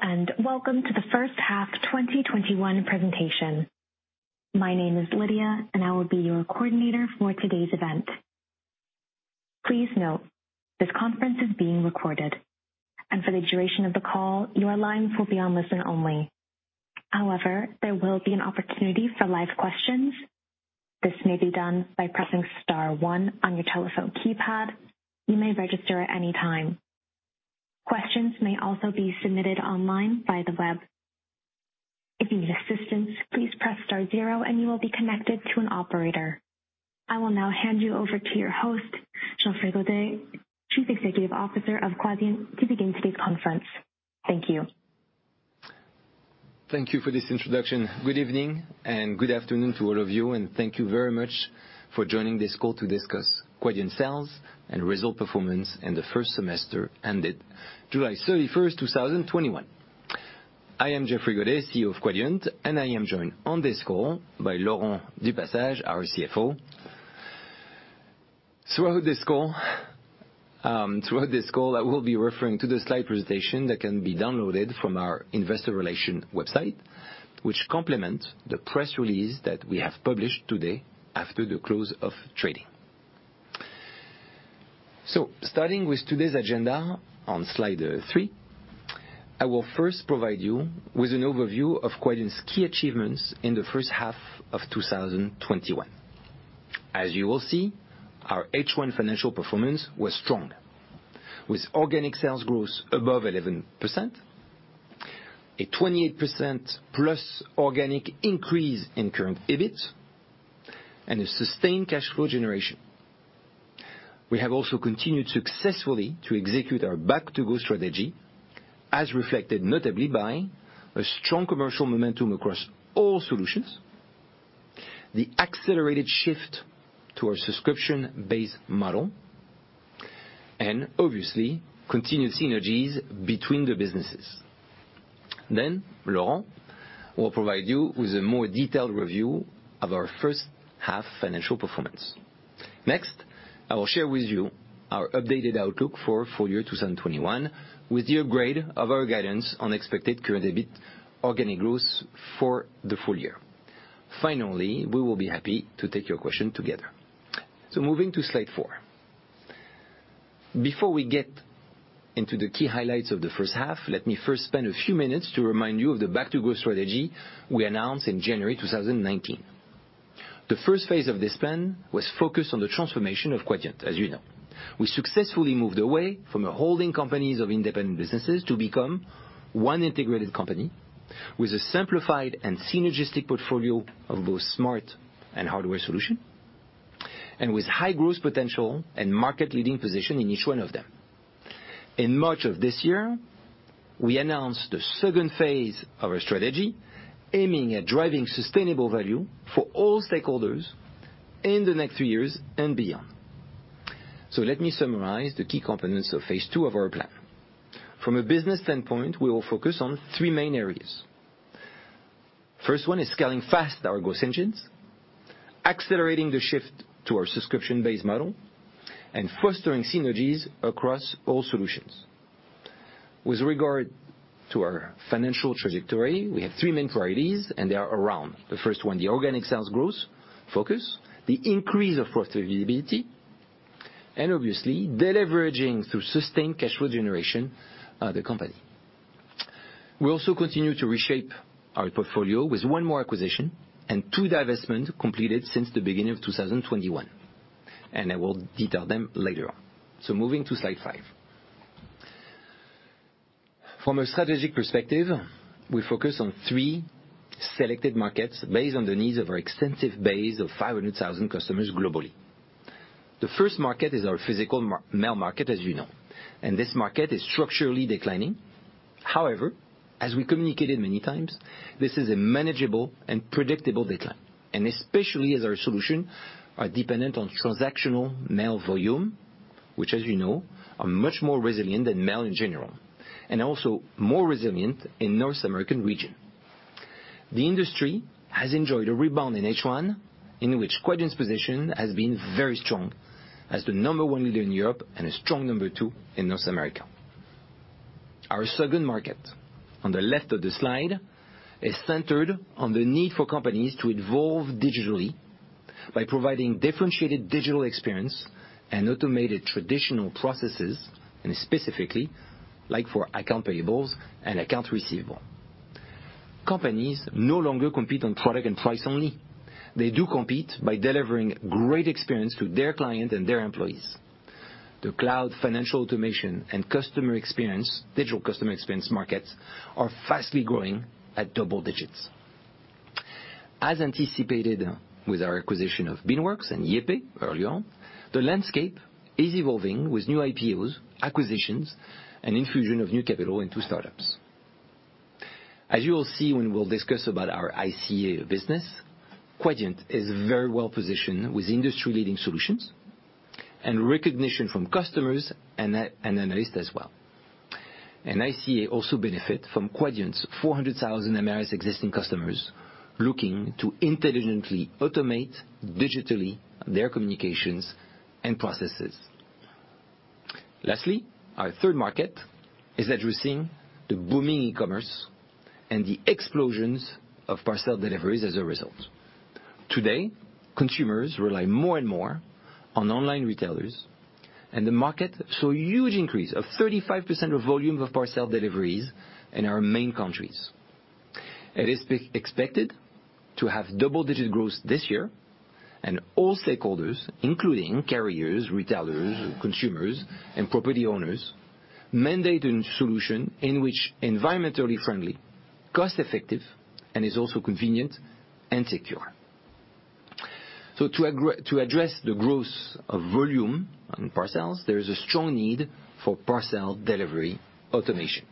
Hello. Welcome to the first half 2021 presentation. My name is Lydia. I will be your coordinator for today's event. Please note, this conference is being recorded. For the duration of the call, your lines will be on listen only. There will be an opportunity for live questions. This may be done by pressing star one on your telephone keypad. You may register at any time. Questions may also be submitted online by the web. If you need assistance, please press star zero. You will be connected to an operator. I will now hand you over to your host, Geoffrey Godet, Chief Executive Officer of Quadient, to begin today's conference. Thank you. Thank you for this introduction. Good evening and good afternoon to all of you, and thank you very much for joining this call to discuss Quadient sales and result performance in the first semester ended July 31, 2021. I am Geoffrey Godet, CEO of Quadient, and I am joined on this call by Laurent du Passage, our CFO. Throughout this call, I will be referring to the slide presentation that can be downloaded from our investor relation website, which complement the press release that we have published today after the close of trading. Starting with today's agenda on slide 3, I will first provide you with an overview of Quadient's key achievements in the first half of 2021. As you will see, our H1 financial performance was strong, with organic sales growth above 11%, a 28%+ organic increase in current EBIT, and a sustained cash flow generation. We have also continued successfully to execute our Back to Growth strategy, as reflected notably by a strong commercial momentum across all solutions, the accelerated shift to our subscription-based model, obviously continued synergies between the businesses. Laurent will provide you with a more detailed review of our first half financial performance. I will share with you our updated outlook for full year 2021 with the upgrade of our guidance on expected current EBIT organic growth for the full year. We will be happy to take your question together. Moving to slide 4. Before we get into the key highlights of the first half, let me first spend a few minutes to remind you of the Back to Growth strategy we announced in January 2019. The first phase of this plan was focused on the transformation of Quadient, as you know. We successfully moved away from a holding companies of independent businesses to become one integrated company with a simplified and synergistic portfolio of both smart and hardware solution, and with high growth potential and market-leading position in each one of them. In March of this year, we announced the second phase of our strategy, aiming at driving sustainable value for all stakeholders in the next 3 years and beyond. Let me summarize the key components of phase two of our plan. From a business standpoint, we will focus on 3 main areas. First one is scaling fast our growth engines, accelerating the shift to our subscription-based model, and fostering synergies across all solutions. With regard to our financial trajectory, we have 3 main priorities, and they are around the 1st one, the organic sales growth focus, the increase of profitability, and obviously, deleveraging through sustained cash flow generation the company. We also continue to reshape our portfolio with 1 more acquisition and 2 divestment completed since the beginning of 2021. I will detail them later on. Moving to slide 5. From a strategic perspective, we focus on 3 selected markets based on the needs of our extensive base of 500,000 customers globally. The 1st market is our physical mail market, as you know. This market is structurally declining. However, as we communicated many times, this is a manageable and predictable decline. Especially as our solution are dependent on transactional mail volume, which, as you know, are much more resilient than mail in general, and also more resilient in North American region. The industry has enjoyed a rebound in H1, in which Quadient's position has been very strong as the number 1 leader in Europe and a strong number 2 in North America. Our second market on the left of the slide is centered on the need for companies to evolve digitally by providing differentiated digital experience and automated traditional processes, and specifically like for Accounts Payable and Accounts Receivable. Companies no longer compete on product and price only. They do compete by delivering great experience to their client and their employees. The cloud financial automation and customer experience, digital customer experience markets, are fastly growing at double digits. As anticipated with our acquisition of Beanworks and YayPay earlier on, the landscape is evolving with new IPOs, acquisitions, and infusion of new capital into startups. As you will see when we'll discuss about our ICA business, Quadient is very well-positioned with industry-leading solutions and recognition from customers and analysts as well. ICA also benefit from Quadient's 400,000 MRS existing customers looking to intelligently automate digitally their communications and processes. Lastly, our third market is addressing the booming e-commerce and the explosions of parcel deliveries as a result. Today, consumers rely more and more on online retailers, and the market saw a huge increase of 35% of volume of parcel deliveries in our main countries. It is expected to have double-digit growth this year, and all stakeholders, including carriers, retailers, consumers, and property owners, mandate a solution in which environmentally friendly, cost-effective, and is also convenient and secure. To address the growth of volume on parcels, there is a strong need for parcel delivery automation.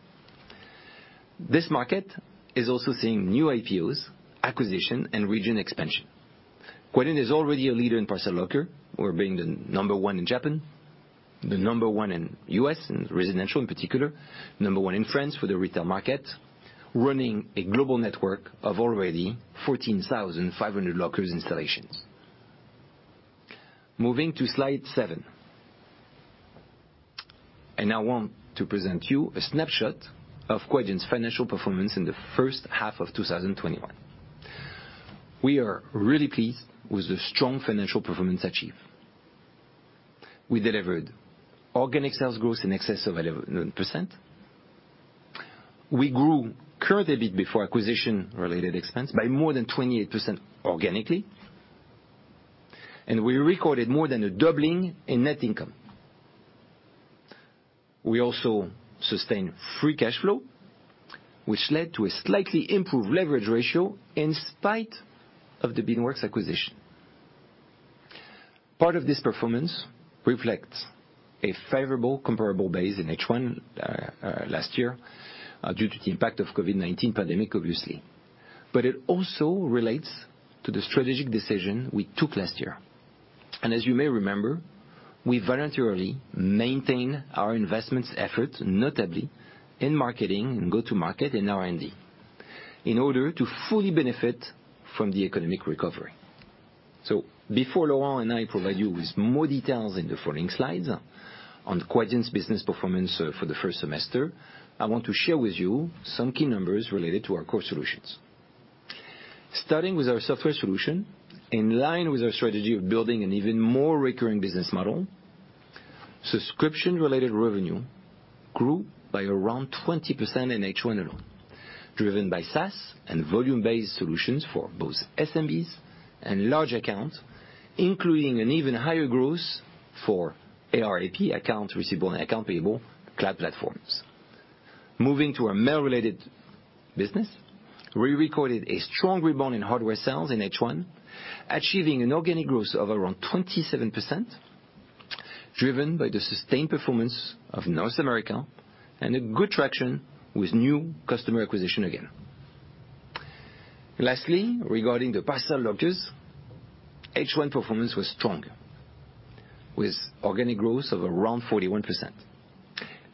This market is also seeing new IPOs, acquisition, and region expansion. Quadient is already a leader in parcel locker. We're being the number one in Japan, the number one in U.S., in residential, in particular, number one in France for the retail market, running a global network of already 14,500 lockers installations. Moving to slide 7. Now I want to present you a snapshot of Quadient's financial performance in the first half of 2021. We are really pleased with the strong financial performance achieved. We delivered organic sales growth in excess of 11%. We grew current EBIT before acquisition-related expense by more than 28% organically, and we recorded more than a doubling in net income. We also sustained free cash flow, which led to a slightly improved leverage ratio in spite of the Beanworks acquisition. Part of this performance reflects a favorable comparable base in H1 last year, due to the impact of COVID-19 pandemic, obviously. It also relates to the strategic decision we took last year. As you may remember, we voluntarily maintain our investments efforts, notably in marketing and go-to-market and R&D, in order to fully benefit from the economic recovery. Before Laurent and I provide you with more details in the following slides on Quadient's business performance for the first semester, I want to share with you some key numbers related to our core solutions. Starting with our software solution, in line with our strategy of building an even more recurring business model, subscription-related revenue grew by around 20% in H1 alone, driven by SaaS and volume-based solutions for both SMBs and large accounts, including an even higher growth for ARAP, Accounts Receivable and Accounts Payable, cloud platforms. Moving to our mail-related business, we recorded a strong rebound in hardware sales in H1, achieving an organic growth of around 27%, driven by the sustained performance of North America and a good traction with new customer acquisition again. Lastly, regarding the parcel lockers, H1 performance was strong, with organic growth of around 41%.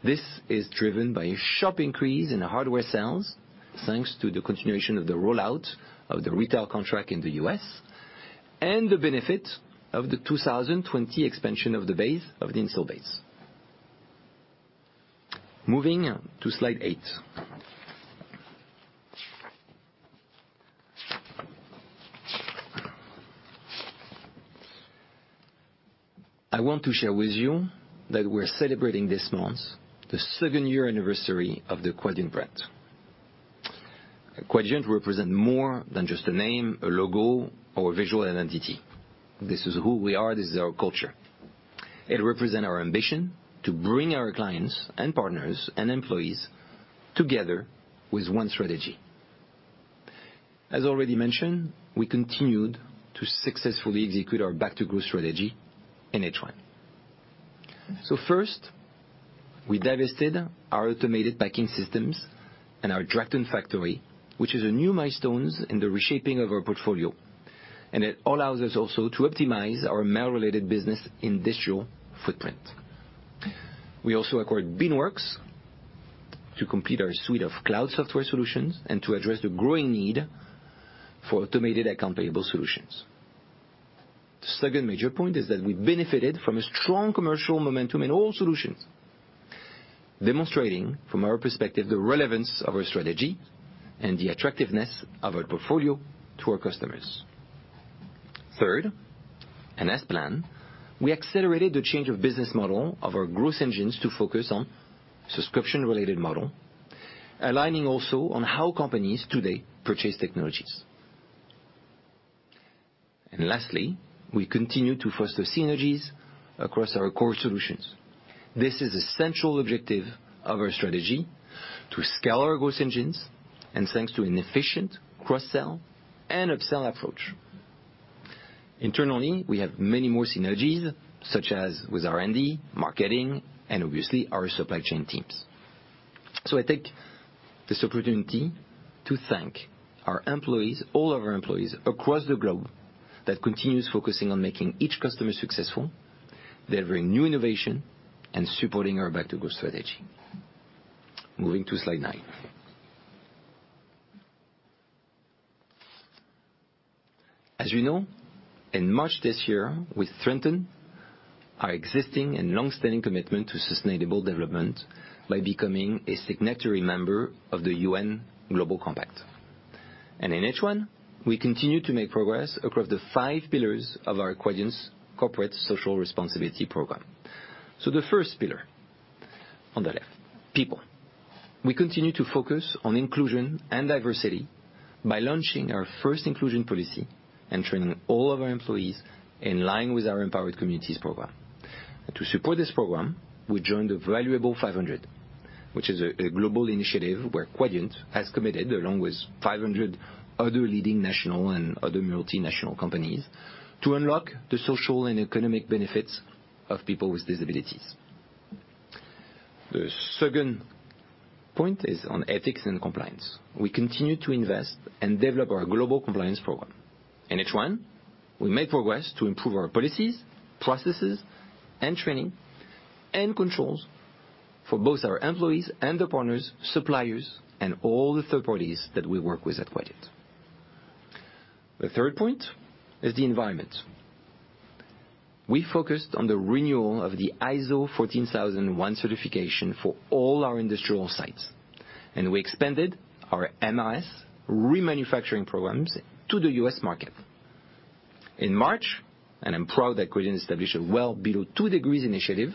This is driven by a sharp increase in hardware sales, thanks to the continuation of the rollout of the retail contract in the U.S. and the benefit of the 2020 expansion of the install base. Moving to slide 8. I want to share with you that we're celebrating this month the second year anniversary of the Quadient brand. Quadient represent more than just a name, a logo, or a visual identity. This is who we are. This is our culture. It represent our ambition to bring our clients and partners and employees together with one strategy. As already mentioned, we continued to successfully execute our Back-to-Growth strategy in H1. First, we divested our automated packing systems and our Drachten factory, which is a new milestones in the reshaping of our portfolio, and it allows us also to optimize our mail-related business industrial footprint. We also acquired Beanworks to complete our suite of cloud software solutions and to address the growing need for automated Accounts Payable solutions. The second major point is that we benefited from a strong commercial momentum in all solutions, demonstrating from our perspective, the relevance of our strategy and the attractiveness of our portfolio to our customers. Third, as planned, we accelerated the change of business model of our growth engines to focus on subscription-related model, aligning also on how companies today purchase technologies. Lastly, we continue to foster synergies across our core solutions. This is a central objective of our strategy to scale our growth engines and thanks to an efficient cross-sell and upsell approach. Internally, we have many more synergies, such as with R&D, marketing, and obviously our supply chain teams. I take this opportunity to thank our employees, all of our employees across the globe, that continues focusing on making each customer successful, delivering new innovation and supporting our Back to Growth strategy. Moving to slide 9. As you know, in March this year, we strengthened our existing and long-standing commitment to sustainable development by becoming a signatory member of the UN Global Compact. In H1, we continued to make progress across the 5 pillars of our Quadient corporate social responsibility program. The first pillar, on the left, people. We continued to focus on inclusion and diversity by launching our first inclusion policy and training all of our employees in line with our Empowered Communities program. To support this program, we joined the Valuable 500, which is a global initiative where Quadient has committed, along with 500 other leading national and other multinational companies, to unlock the social and economic benefits of people with disabilities. The second point is on ethics and compliance. We continued to invest and develop our global compliance program. In H1, we made progress to improve our policies, processes, and training, and controls for both our employees and the partners, suppliers, and all the third parties that we work with at Quadient. The third point is the environment. We focused on the renewal of the ISO 14001 certification for all our industrial sites, and we expanded our MRS remanufacturing programs to the U.S. market. In March, I'm proud that Quadient established a well below 2 degrees initiative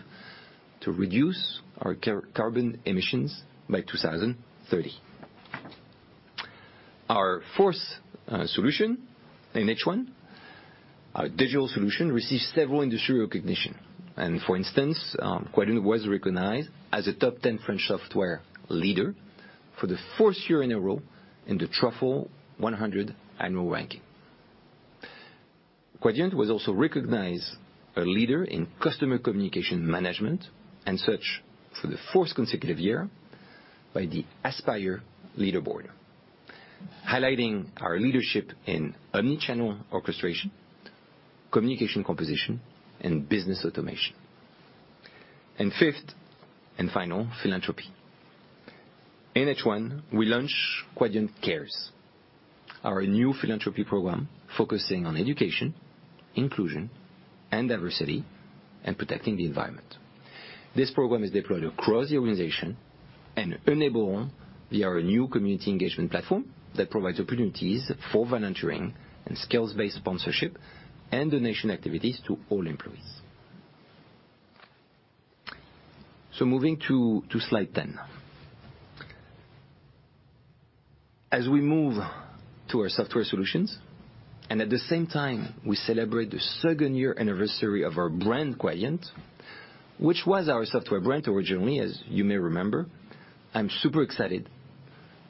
to reduce our carbon emissions by 2030. Our fourth solution in H1, our digital solution, received several industry recognition. For instance, Quadient was recognized as a top 10 French software leader for the fourth year in a row in The Truffle 100 annual ranking. Quadient was also recognized a leader in customer communication management and such for the fourth consecutive year by the Aspire Leaderboard, highlighting our leadership in omni-channel orchestration, communication composition, and business automation. Fifth and final, philanthropy. In H1, we launched Quadient Cares, our new philanthropy program focusing on education, inclusion, and diversity, and protecting the environment. This program is deployed across the organization and enabled via our new community engagement platform that provides opportunities for volunteering and skills-based sponsorship and donation activities to all employees. Moving to slide 10. As we move to our software solutions, and at the same time, we celebrate the second year anniversary of our brand, Quadient, which was our software brand originally, as you may remember, I'm super excited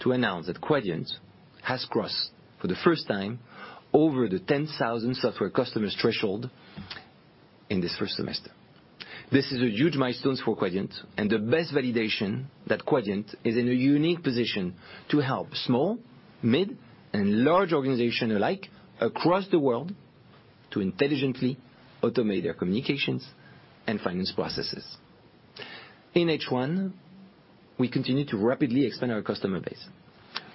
to announce that Quadient has crossed, for the first time, over the 10,000 software customers threshold in this first semester. This is a huge milestone for Quadient and the best validation that Quadient is in a unique position to help small, mid, and large organization alike across the world to intelligently automate their communications and finance processes. In H1, we continued to rapidly expand our customer base,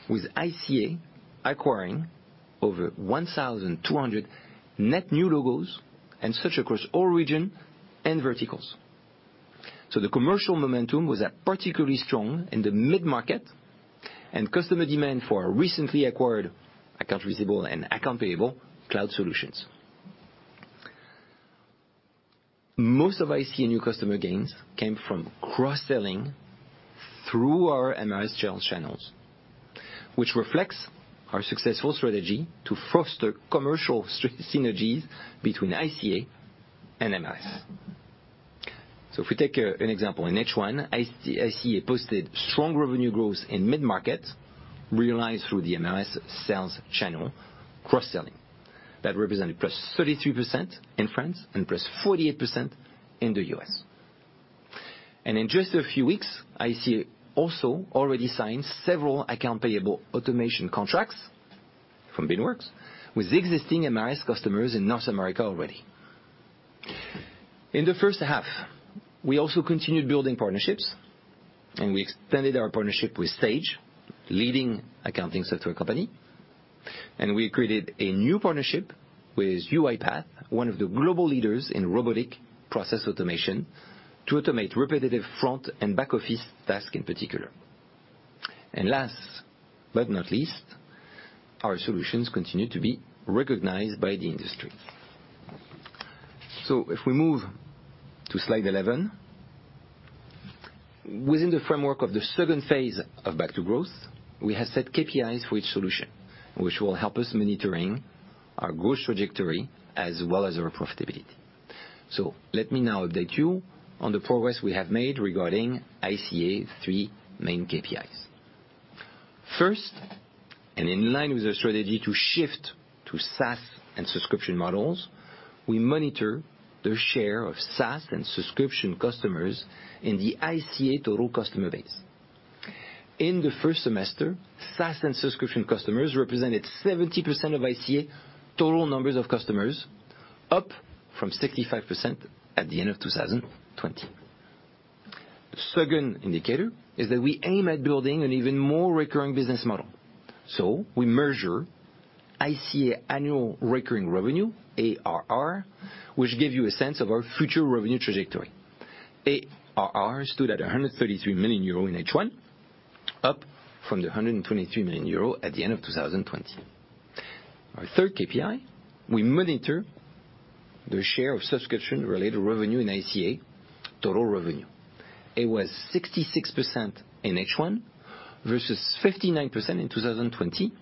with ICA acquiring over 1,200 net new logos and such across all region and verticals. The commercial momentum was at particularly strong in the mid-market, and customer demand for our recently acquired Accounts Receivable and Accounts Payable cloud solutions. Most of ICA new customer gains came from cross-selling through our MRS channels, which reflects our successful strategy to foster commercial synergies between ICA and MRS. If we take an example, in H1, ICA posted strong revenue growth in mid-market, realized through the MRS sales channel cross-selling. That represented +33% in France and +48% in the U.S. In just a few weeks, ICA also already signed several Accounts Payable automation contracts from Beanworks with existing MRS customers in North America already. In the first half, we also continued building partnerships, and we extended our partnership with Sage, leading accounting software company. We created a new partnership with UiPath, one of the global leaders in robotic process automation, to automate repetitive front and back office tasks in particular. Last but not least, our solutions continue to be recognized by the industry. If we move to slide 11. Within the framework of the second phase of Back to Growth, we have set KPIs for each solution, which will help us monitoring our growth trajectory as well as our profitability. Let me now update you on the progress we have made regarding ICA 3 main KPIs. First, and in line with our strategy to shift to SaaS and subscription models, we monitor the share of SaaS and subscription customers in the ICA total customer base. In the first semester, SaaS and subscription customers represented 70% of ICA total numbers of customers, up from 65% at the end of 2020. The second indicator is that we aim at building an even more recurring business model. We measure ICA annual recurring revenue, ARR, which give you a sense of our future revenue trajectory. ARR stood at 133 million euro in H1, up from the 123 million euro at the end of 2020. Our third KPI, we monitor the share of subscription-related revenue in ICA total revenue. It was 66% in H1 versus 59% in 2020,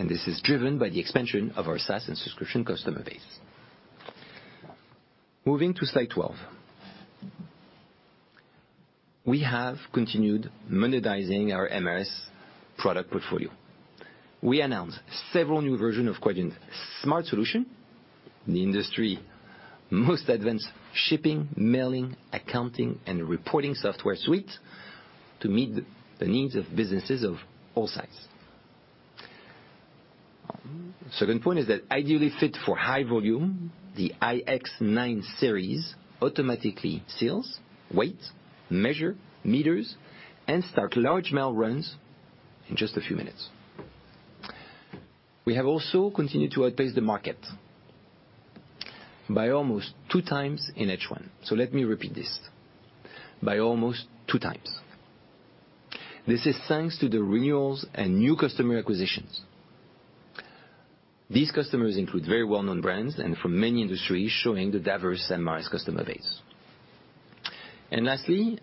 and this is driven by the expansion of our SaaS and subscription customer base. Moving to slide 12. We have continued monetizing our MRS product portfolio. We announced several new versions of Quadient's S.M.A.R.T. Solution, the industry's most advanced shipping, mailing, accounting, and reporting software suite to meet the needs of businesses of all sizes. Second point is that ideally fit for high volume, the iX-9 series automatically seals, weighs, meters, and starts large mail runs in just a few minutes. We have also continued to outpace the market by almost two times in H1. Let me repeat this, by almost two times. This is thanks to the renewals and new customer acquisitions. These customers include very well-known brands and from many industries, showing the diverse MRS customer base. Lastly,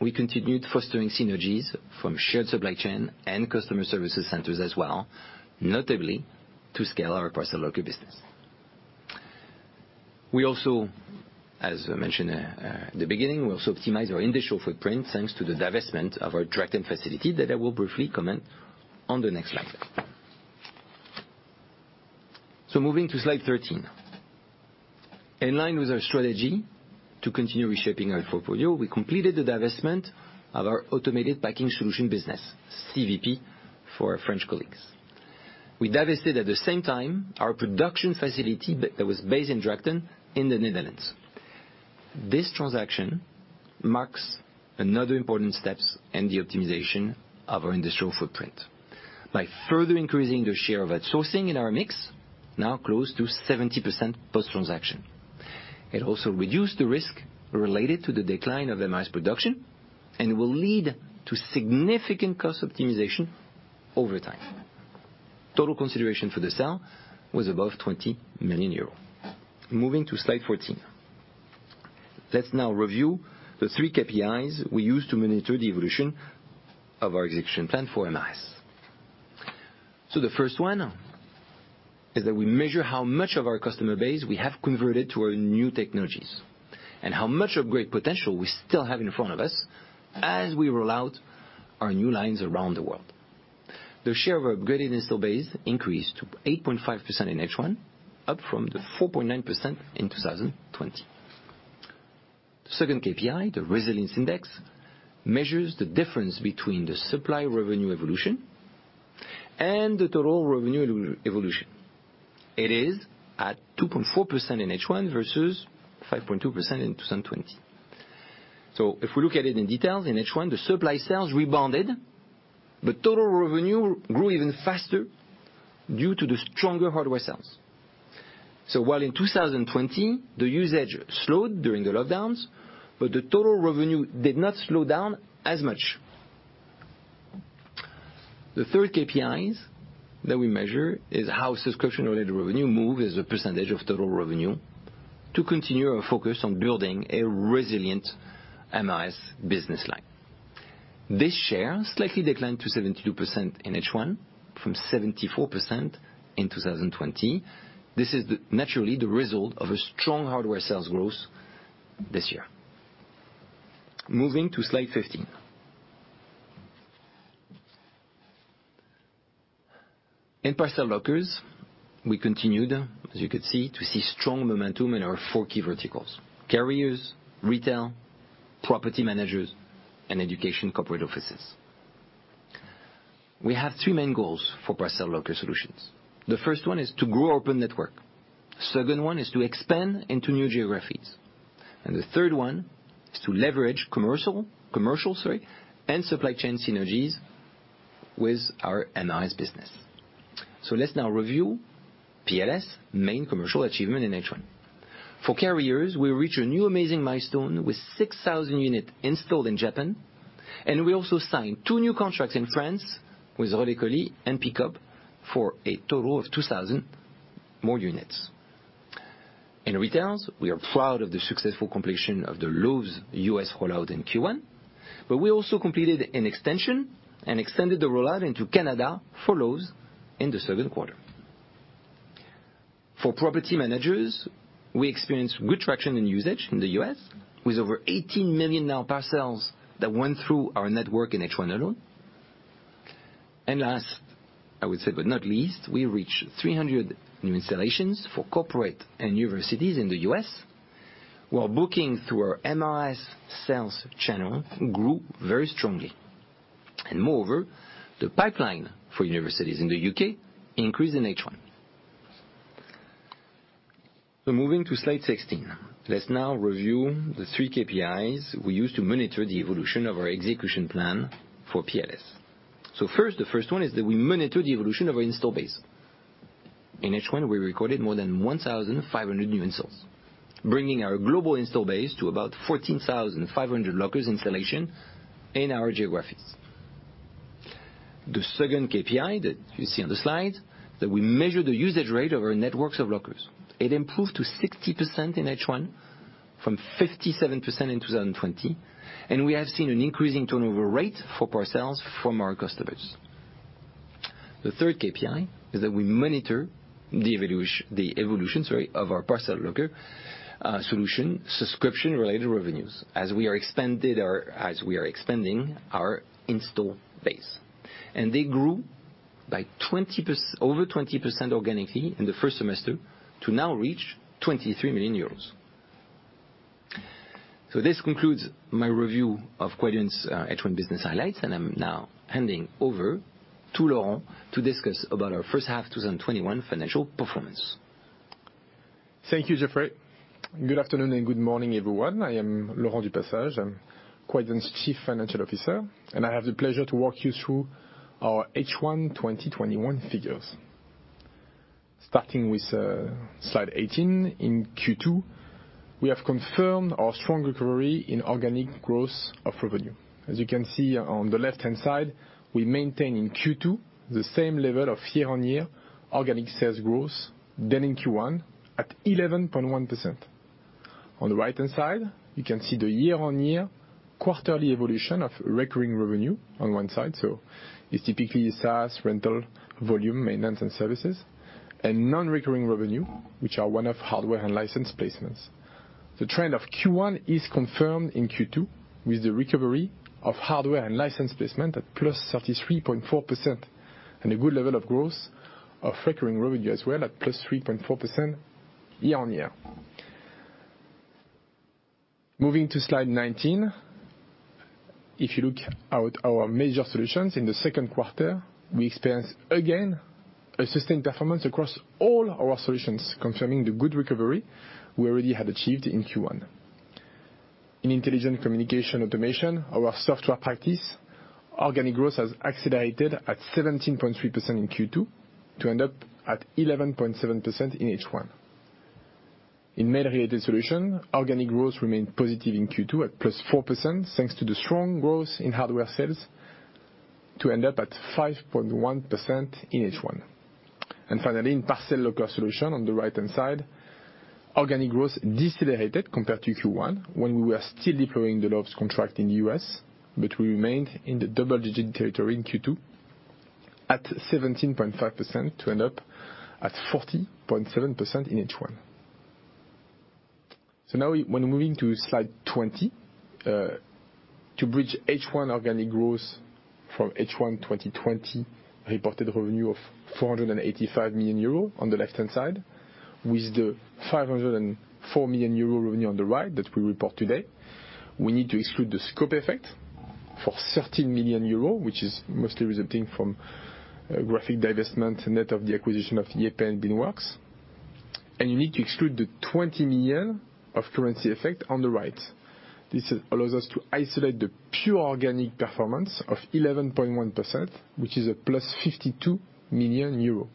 we continued fostering synergies from shared supply chain and customer services centers as well, notably to scale our parcel local business. We also, as I mentioned at the beginning, we also optimize our industrial footprint thanks to the divestment of our Drachten facility that I will briefly comment on the next slide. Moving to slide 13. In line with our strategy to continue reshaping our portfolio, we completed the divestment of our automated packing solution business, CVP, for our French colleagues. We divested at the same time our production facility that was based in Drachten in the Netherlands. This transaction marks another important steps in the optimization of our industrial footprint by further increasing the share of outsourcing in our mix, now close to 70% post-transaction. It also reduced the risk related to the decline of MRS production and will lead to significant cost optimization over time. Total consideration for the sale was above 20 million euros. Moving to slide 14. Let's now review the 3 KPIs we use to monitor the evolution of our execution plan for MRS. The first one is that we measure how much of our customer base we have converted to our new technologies, and how much upgrade potential we still have in front of us as we roll out our new lines around the world. The share of upgraded install base increased to 8.5% in H1, up from the 4.9% in 2020. Second KPI, the resilience index, measures the difference between the supply revenue evolution and the total revenue evolution. It is at 2.4% in H1 versus 5.2% in 2020. If we look at it in details, in H1, the supply sales rebounded, but total revenue grew even faster due to the stronger hardware sales. While in 2020, the usage slowed during the lockdowns, but the total revenue did not slow down as much. The third KPIs that we measure is how subscription-related revenue move as a % of total revenue to continue our focus on building a resilient MRS business line. This share slightly declined to 72% in H1 from 74% in 2020. This is naturally the result of a strong hardware sales growth this year. Moving to slide 15. In parcel lockers, we continued, as you could see, to see strong momentum in our four key verticals, carriers, retail, property managers, and education corporate offices. We have three main goals for parcel locker solutions. The first one is to grow open network. Second one is to expand into new geographies. The third one is to leverage commercial and supply chain synergies with our MRS business. Let's now review PLS main commercial achievement in H1. For carriers, we reach a new amazing milestone with 6,000 unit installed in Japan, and we also signed 2 new contracts in France with Relais Colis and Pickup for a total of 2,000 more units. In retails, we are proud of the successful completion of the Lowe's U.S. rollout in Q1, but we also completed an extension and extended the rollout into Canada for Lowe's in the second quarter. For property managers, we experienced good traction and usage in the U.S. with over 18 million now parcels that went through our network in H1 alone. Last, I would say, but not least, we reached 300 new installations for corporate and universities in the U.S., while booking through our MRS sales channel grew very strongly. Moreover, the pipeline for universities in the U.K. increased in H1. Moving to slide 16. Let's now review the 3 KPIs we use to monitor the evolution of our execution plan for PLS. First, the first one is that we monitor the evolution of our install base. In H1, we recorded more than 1,500 new installs, bringing our global install base to about 14,500 lockers installation in our geographies. The second KPI that you see on the slide, that we measure the usage rate of our networks of lockers. It improved to 60% in H1 from 57% in 2020, and we have seen an increasing turnover rate for parcels from our customers. The third KPI is that we monitor the evolution, sorry, of our parcel locker solution subscription-related revenues, as we are expanding our install base. They grew by over 20% organically in the first semester to now reach 23 million euros. This concludes my review of Quadient's H1 business highlights, and I'm now handing over to Laurent to discuss about our first half 2021 financial performance. Thank you, Geoffrey. Good afternoon and good morning, everyone. I am Laurent du Passage. I'm Quadient's Chief Financial Officer, and I have the pleasure to walk you through our H1 2021 figures. Starting with slide 18, in Q2, we have confirmed our strong recovery in organic growth of revenue. As you can see on the left-hand side, we maintain in Q2 the same level of year-on-year organic sales growth than in Q1 at 11.1%. On the right-hand side, you can see the year-on-year quarterly evolution of recurring revenue on one side. It's typically SaaS, rental, volume, maintenance, and services, and non-recurring revenue, which are one-off hardware and license placements. The trend of Q1 is confirmed in Q2 with the recovery of hardware and license placement at +33.4%, and a good level of growth of recurring revenue as well at +3.4% year-on-year. Moving to slide 19. If you look at our major solutions in the second quarter, we experienced again a sustained performance across all our solutions, confirming the good recovery we already had achieved in Q1. In Intelligent Communication Automation, our software practice, organic growth has accelerated at 17.3% in Q2 to end up at 11.7% in H1. In Mail-Related Solutions, organic growth remained positive in Q2 at +4% thanks to the strong growth in hardware sales to end up at 5.1% in H1. Finally, in Parcel Locker Solutions on the right-hand side, organic growth decelerated compared to Q1 when we were still deploying the Lowe's contract in the U.S., but we remained in the double-digit territory in Q2 at 17.5% to end up at 40.7% in H1. Now, when moving to slide 20. To bridge H1 organic growth from H1 2020 reported revenue of 485 million euro on the left-hand side with the 504 million euro revenue on the right that we report today, we need to exclude the scope effect for 30 million euros, which is mostly resulting from Graphics divestment net of the acquisition of YayPay and Beanworks, and you need to exclude the 20 million of currency effect on the right. This allows us to isolate the pure organic performance of 11.1%, which is a +52 million euro.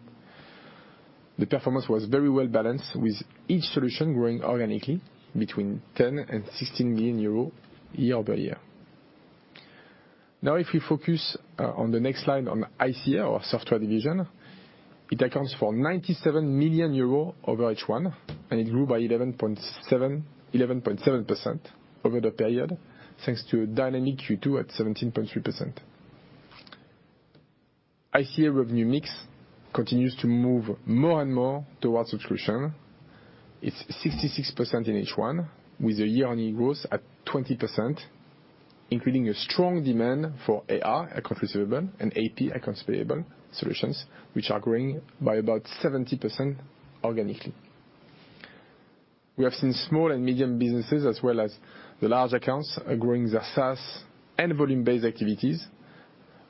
The performance was very well-balanced with each solution growing organically between 10 million and 16 million euros year-over-year. Now, if we focus on the next slide on ICA or software division, it accounts for 97 million euros over H1, and it grew by 11.7% over the period, thanks to a dynamic Q2 at 17.3%. ICA revenue mix continues to move more and more towards subscription. It's 66% in H1 with a year-on-year growth at 20%, including a strong demand for AR, accounts receivable, and AP, accounts payable solutions, which are growing by about 70% organically. We have seen small and medium businesses as well as the large accounts are growing their SaaS and volume-based activities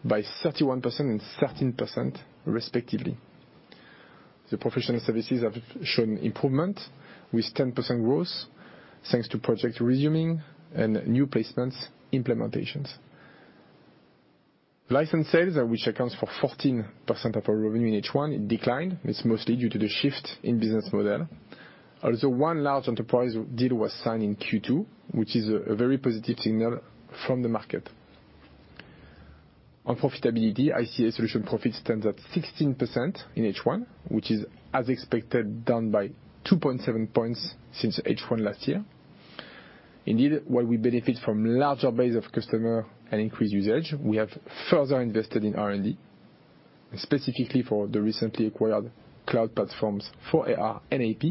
by 31% and 13% respectively. The professional services have shown improvement with 10% growth thanks to project resuming and new placements implementations. License sales, which accounts for 14% of our revenue in H1, it declined. It's mostly due to the shift in business model, although one large enterprise deal was signed in Q2, which is a very positive signal from the market. On profitability, ICA solution profit stands at 16% in H1, which is, as expected, down by 2.7 points since H1 last year. While we benefit from larger base of customer and increased usage, we have further invested in R&D, specifically for the recently acquired cloud platforms for AR and AP.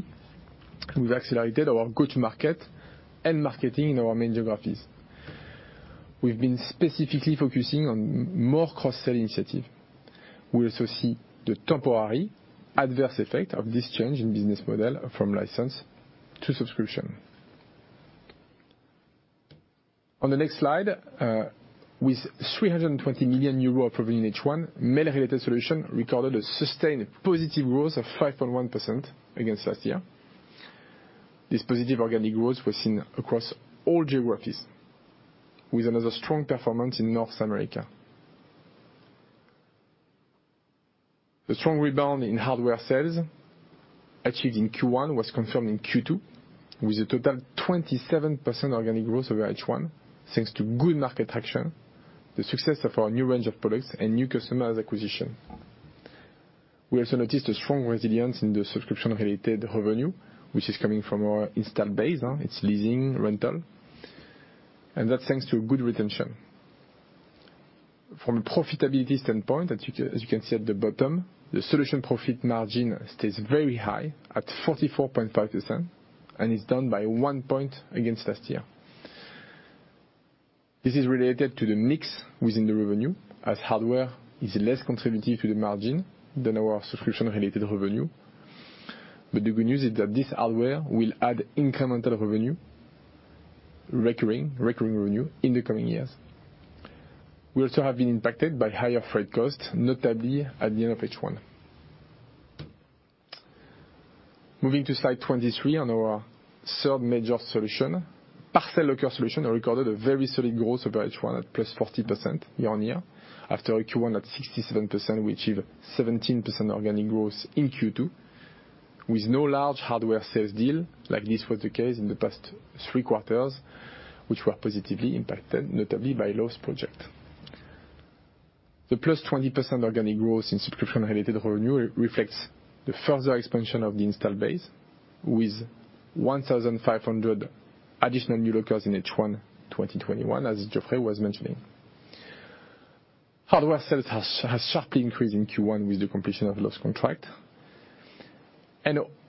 We've accelerated our go-to-market and marketing in our main geographies. We've been specifically focusing on more cross-sell initiative. We also see the temporary adverse effect of this change in business model from license to subscription. On the next slide, with 320 million euros of revenue in H1, Mail-Related Solutions recorded a sustained positive growth of 5.1% against last year. This positive organic growth was seen across all geographies, with another strong performance in North America. The strong rebound in hardware sales achieved in Q1 was confirmed in Q2, with a total 27% organic growth over H1 thanks to good market traction, the success of our new range of products, and new customer acquisition. We also noticed a strong resilience in the subscription-related revenue, which is coming from our installed base. It's leasing, rental, and that's thanks to good retention. From a profitability standpoint, as you can see at the bottom, the solution profit margin stays very high at 44.5% and is down by 1 point against last year. This is related to the mix within the revenue, as hardware is less contributing to the margin than our subscription-related revenue. The good news is that this hardware will add incremental revenue, recurring revenue, in the coming years. We also have been impacted by higher freight costs, notably at the end of H1. Moving to slide 23 on our third major solution. Parcel Locker solution recorded a very solid growth over H1 at +40% year-on-year. After Q1 at 67%, we achieved 17% organic growth in Q2, with no large hardware sales deal like this was the case in the past 3 quarters, which were positively impacted, notably by Lowe's project. The +20% organic growth in subscription-related revenue reflects the further expansion of the installed base with 1,500 additional new lockers in H1 2021, as Geoffrey was mentioning. Hardware sales has sharply increased in Q1 with the completion of Lowe's contract.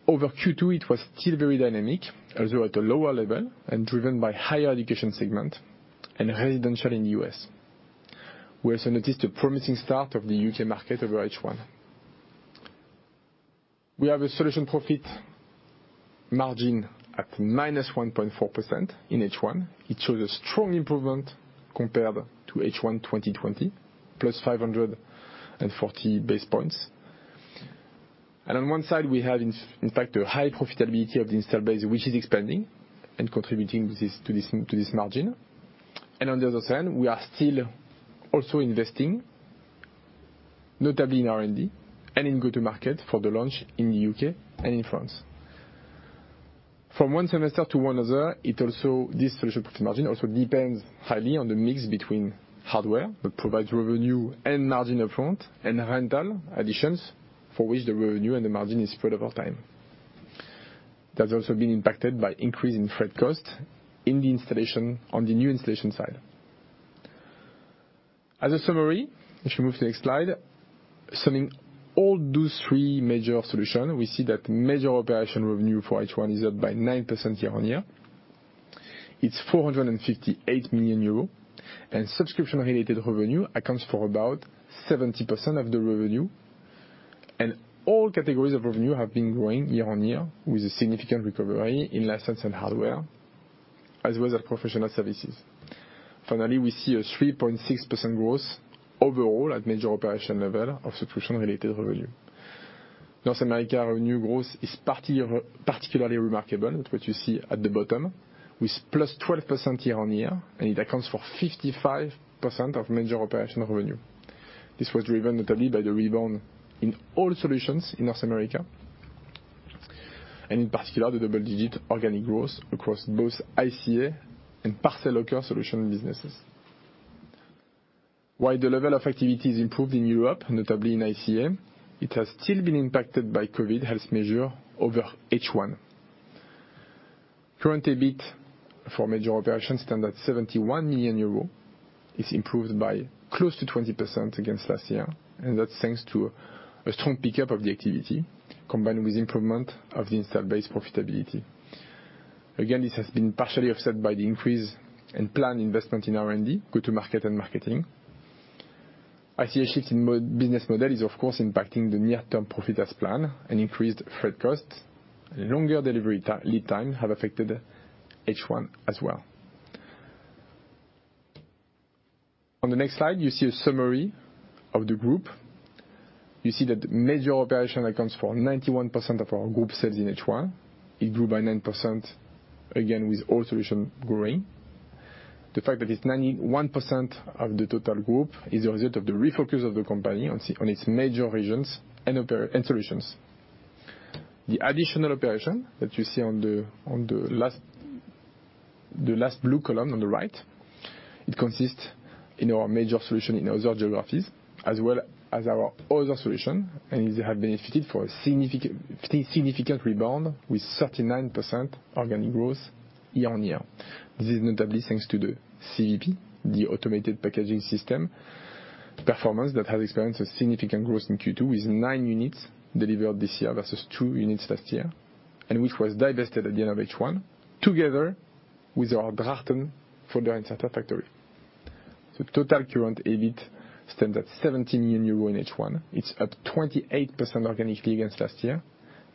Over Q2, it was still very dynamic, although at a lower level, and driven by higher education segment and residential in the U.S. We also noticed a promising start of the U.K. market over H1. We have a solution profit margin at -1.4% in H1. It shows a strong improvement compared to H1 2020, +540 basis points. On one side, we have, in fact, a high profitability of the installed base, which is expanding and contributing to this margin. On the other side, we are still also investing, notably in R&D and in go-to-market for the launch in the U.K. and in France. From 1 semester to another, this solution profit margin also depends highly on the mix between hardware, that provides revenue and margin upfront, and rental additions, for which the revenue and the margin is spread over time. That's also been impacted by increase in freight cost on the new installation side. As a summary, if we move to the next slide, selling all those 3 major solution, we see that major operation revenue for H1 is up by 9% year-on-year. It's 458 million euros. Subscription-related revenue accounts for about 70% of the revenue. All categories of revenue have been growing year-on-year, with a significant recovery in license and hardware, as well as our professional services. Finally, we see a 3.6% growth overall at major operation level of subscription-related revenue. North America revenue growth is particularly remarkable, which you see at the bottom, with +12% year-on-year, and it accounts for 55% of major operational revenue. This was driven notably by the rebound in all solutions in North America, and in particular, the double-digit organic growth across both ICA and parcel locker solution businesses. While the level of activity is improved in Europe, notably in ICA, it has still been impacted by COVID health measure over H1. Current EBIT for major operations stand at 71 million euros, is improved by close to 20% against last year. That's thanks to a strong pickup of the activity combined with improvement of the installed base profitability. Again, this has been partially offset by the increase in planned investment in R&D, go-to-market and marketing. ICA shift in business model is, of course, impacting the near-term profit as planned, and increased freight cost and longer delivery lead time have affected H1 as well. On the next slide, you see a summary of the group. You see that major operation accounts for 91% of our group sales in H1. It grew by 9%, again, with all solution growing. The fact that it's 91% of the total group is a result of the refocus of the company on its major regions and solutions. The additional operation that you see on the last blue column on the right, it consists in our major solution in other geographies, as well as our other solution, and it have benefited for a significant rebound with 39% organic growth year-on-year. This is notably thanks to the CVP, the automated packaging system, the performance that has experienced a significant growth in Q2 with 9 units delivered this year versus 2 units last year, and which was divested at the end of H1, together with our Drachten folder inserter factory. Total current EBIT stands at 17 million euro in H1. It's up 28% organically against last year,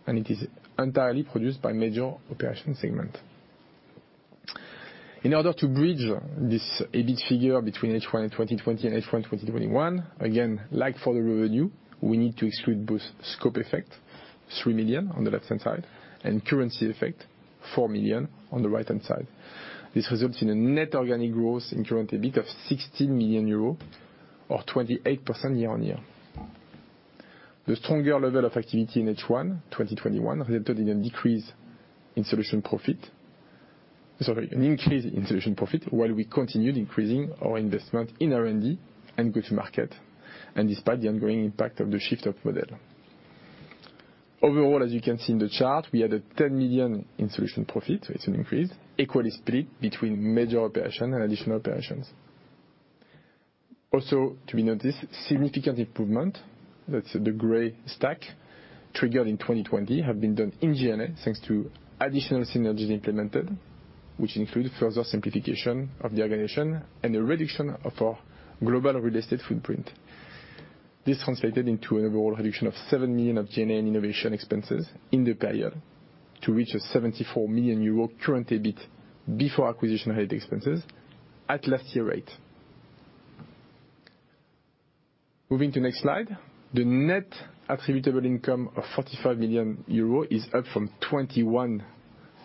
and it is entirely produced by major operation segment. In order to bridge this EBIT figure between H1 of 2020 and H1 2021, again, like for the revenue, we need to exclude both scope effect, 3 million on the left-hand side, and currency effect, 4 million on the right-hand side. This results in a net organic growth in current EBIT of 16 million euros or 28% year-on-year. The stronger level of activity in H1 2021 resulted in an increase in solution profit while we continued increasing our investment in R&D and go-to-market, despite the ongoing impact of the shift of model. Overall, as you can see in the chart, we had 10 million in solution profit, it's an increase, equally split between major operation and additional operations. Also to be noticed, significant improvement, that's the gray stack, triggered in 2020 have been done in G&A thanks to additional synergies implemented, which include further simplification of the organization and a reduction of our global real estate footprint. This translated into an overall reduction of 7 million of G&A and innovation expenses in the period to reach a €74 million current EBIT before acquisition-related expenses at last year rate. Moving to next slide. The net attributable income of €45 million is up from 21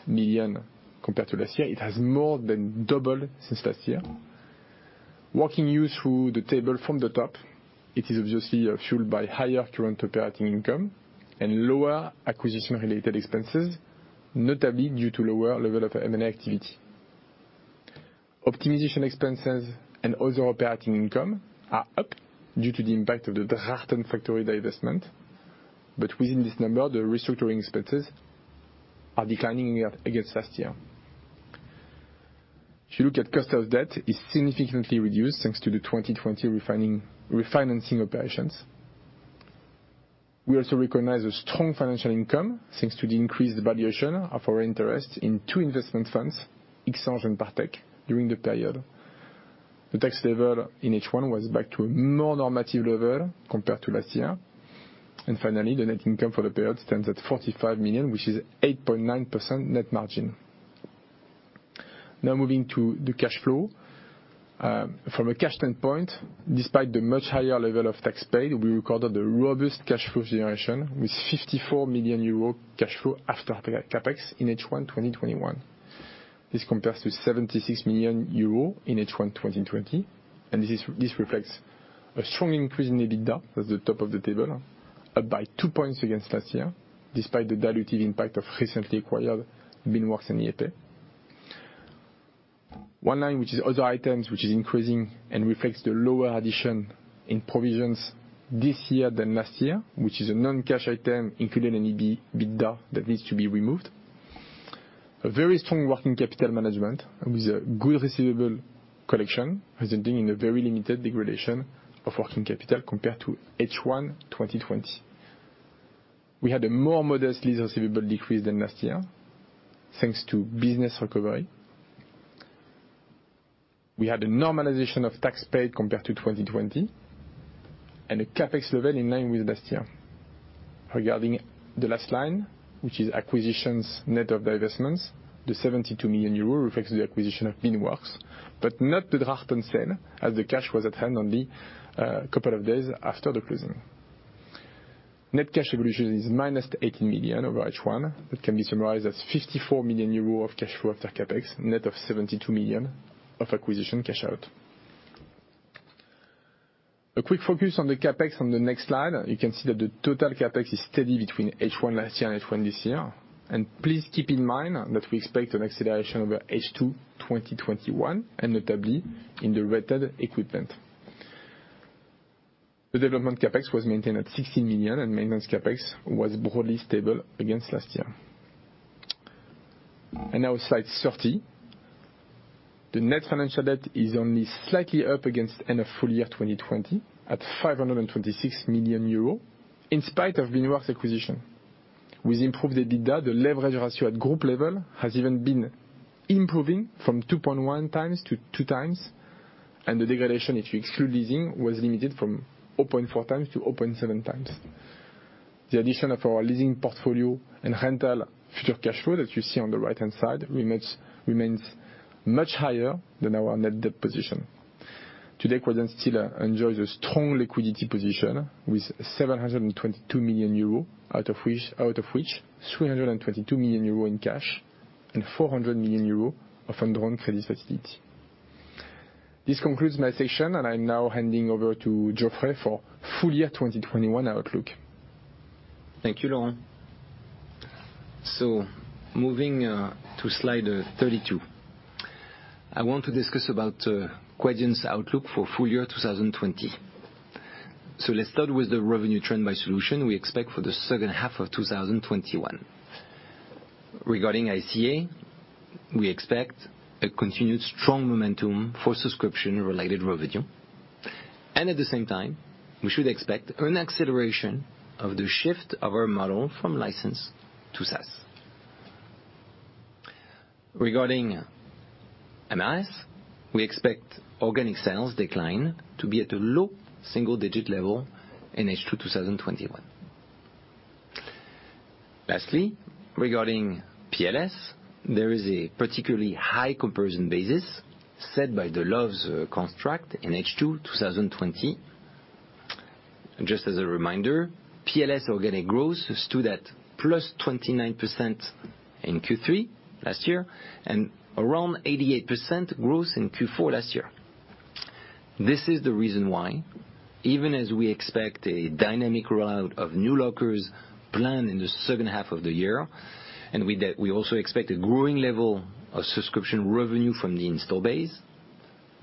million compared to last year. It has more than doubled since last year. Walking you through the table from the top, it is obviously fueled by higher current operating income and lower acquisition-related expenses, notably due to lower level of M&A activity. Optimization expenses and other operating income are up due to the impact of the Drachten factory divestment. Within this number, the restructuring expenses are declining against last year. If you look at cost of debt, it's significantly reduced thanks to the 2020 refinancing operations. We also recognize a strong financial income thanks to the increased valuation of our interest in two investment funds, Xange and Partech, during the period. The tax level in H1 was back to a more normative level compared to last year. Finally, the net income for the period stands at 45 million, which is 8.9% net margin. Moving to the cash flow. From a cash standpoint, despite the much higher level of tax paid, we recorded a robust cash flow generation with 54 million euro cash flow after CapEx in H1 2021. This compares to 76 million euro in H1 2020. This reflects a strong increase in EBITDA at the top of the table, up by two points against last year, despite the dilutive impact of recently acquired Beanworks and YayPay. One line, which is other items, which is increasing and reflects the lower addition in provisions this year than last year, which is a non-cash item included in EBITDA that needs to be removed. A very strong working capital management with a good receivable collection, resulting in a very limited degradation of working capital compared to H1 2020. We had a more modest receivable decrease than last year, thanks to business recovery. We had a normalization of tax paid compared to 2020 and a CapEx level in line with last year. Regarding the last line, which is acquisitions net of divestments, the 72 million euro reflects the acquisition of Beanworks, but not the Drachten sale as the cash was at hand only a couple of days after the closing. Net cash evolution is minus 18 million over H1, but can be summarized as 54 million euros of cash flow after CapEx, net of 72 million of acquisition cash out. A quick focus on the CapEx on the next slide. You can see that the total CapEx is steady between H1 last year and H1 this year. Please keep in mind that we expect an acceleration over H2 2021, and notably in the rated equipment. The development CapEx was maintained at 16 million, and maintenance CapEx was broadly stable against last year. Now slide 30. The net financial debt is only slightly up against end of full year 2020 at 526 million euro in spite of Beanworks acquisition. With improved EBITDA, the leverage ratio at group level has even been improving from 2.1 times to 2 times, and the degradation, if you exclude leasing, was limited from 0.4 times to 0.7 times. The addition of our leasing portfolio and rental future cash flow that you see on the right-hand side remains much higher than our net debt position. Today, Quadient still enjoys a strong liquidity position with 722 million euro, out of which 322 million euro in cash and 400 million euro of undrawn credit facility. This concludes my session, and I'm now handing over to Geoffrey for full-year 2021 outlook. Thank you, Laurent. Moving to slide 32. I want to discuss about Quadient's outlook for full-year 2020. Let's start with the revenue trend by solution we expect for the second half of 2021. Regarding ICA, we expect a continued strong momentum for subscription-related revenue. At the same time, we should expect an acceleration of the shift of our model from license to SaaS. Regarding MRS, we expect organic sales decline to be at a low single-digit level in H2 2021. Lastly, regarding PLS, there is a particularly high comparison basis set by the Lowe's contract in H2 2020. Just as a reminder, PLS organic growth stood at +29% in Q3 last year and around 88% growth in Q4 last year. This is the reason why, even as we expect a dynamic rollout of new lockers planned in the second half of the year, and we also expect a growing level of subscription revenue from the install base,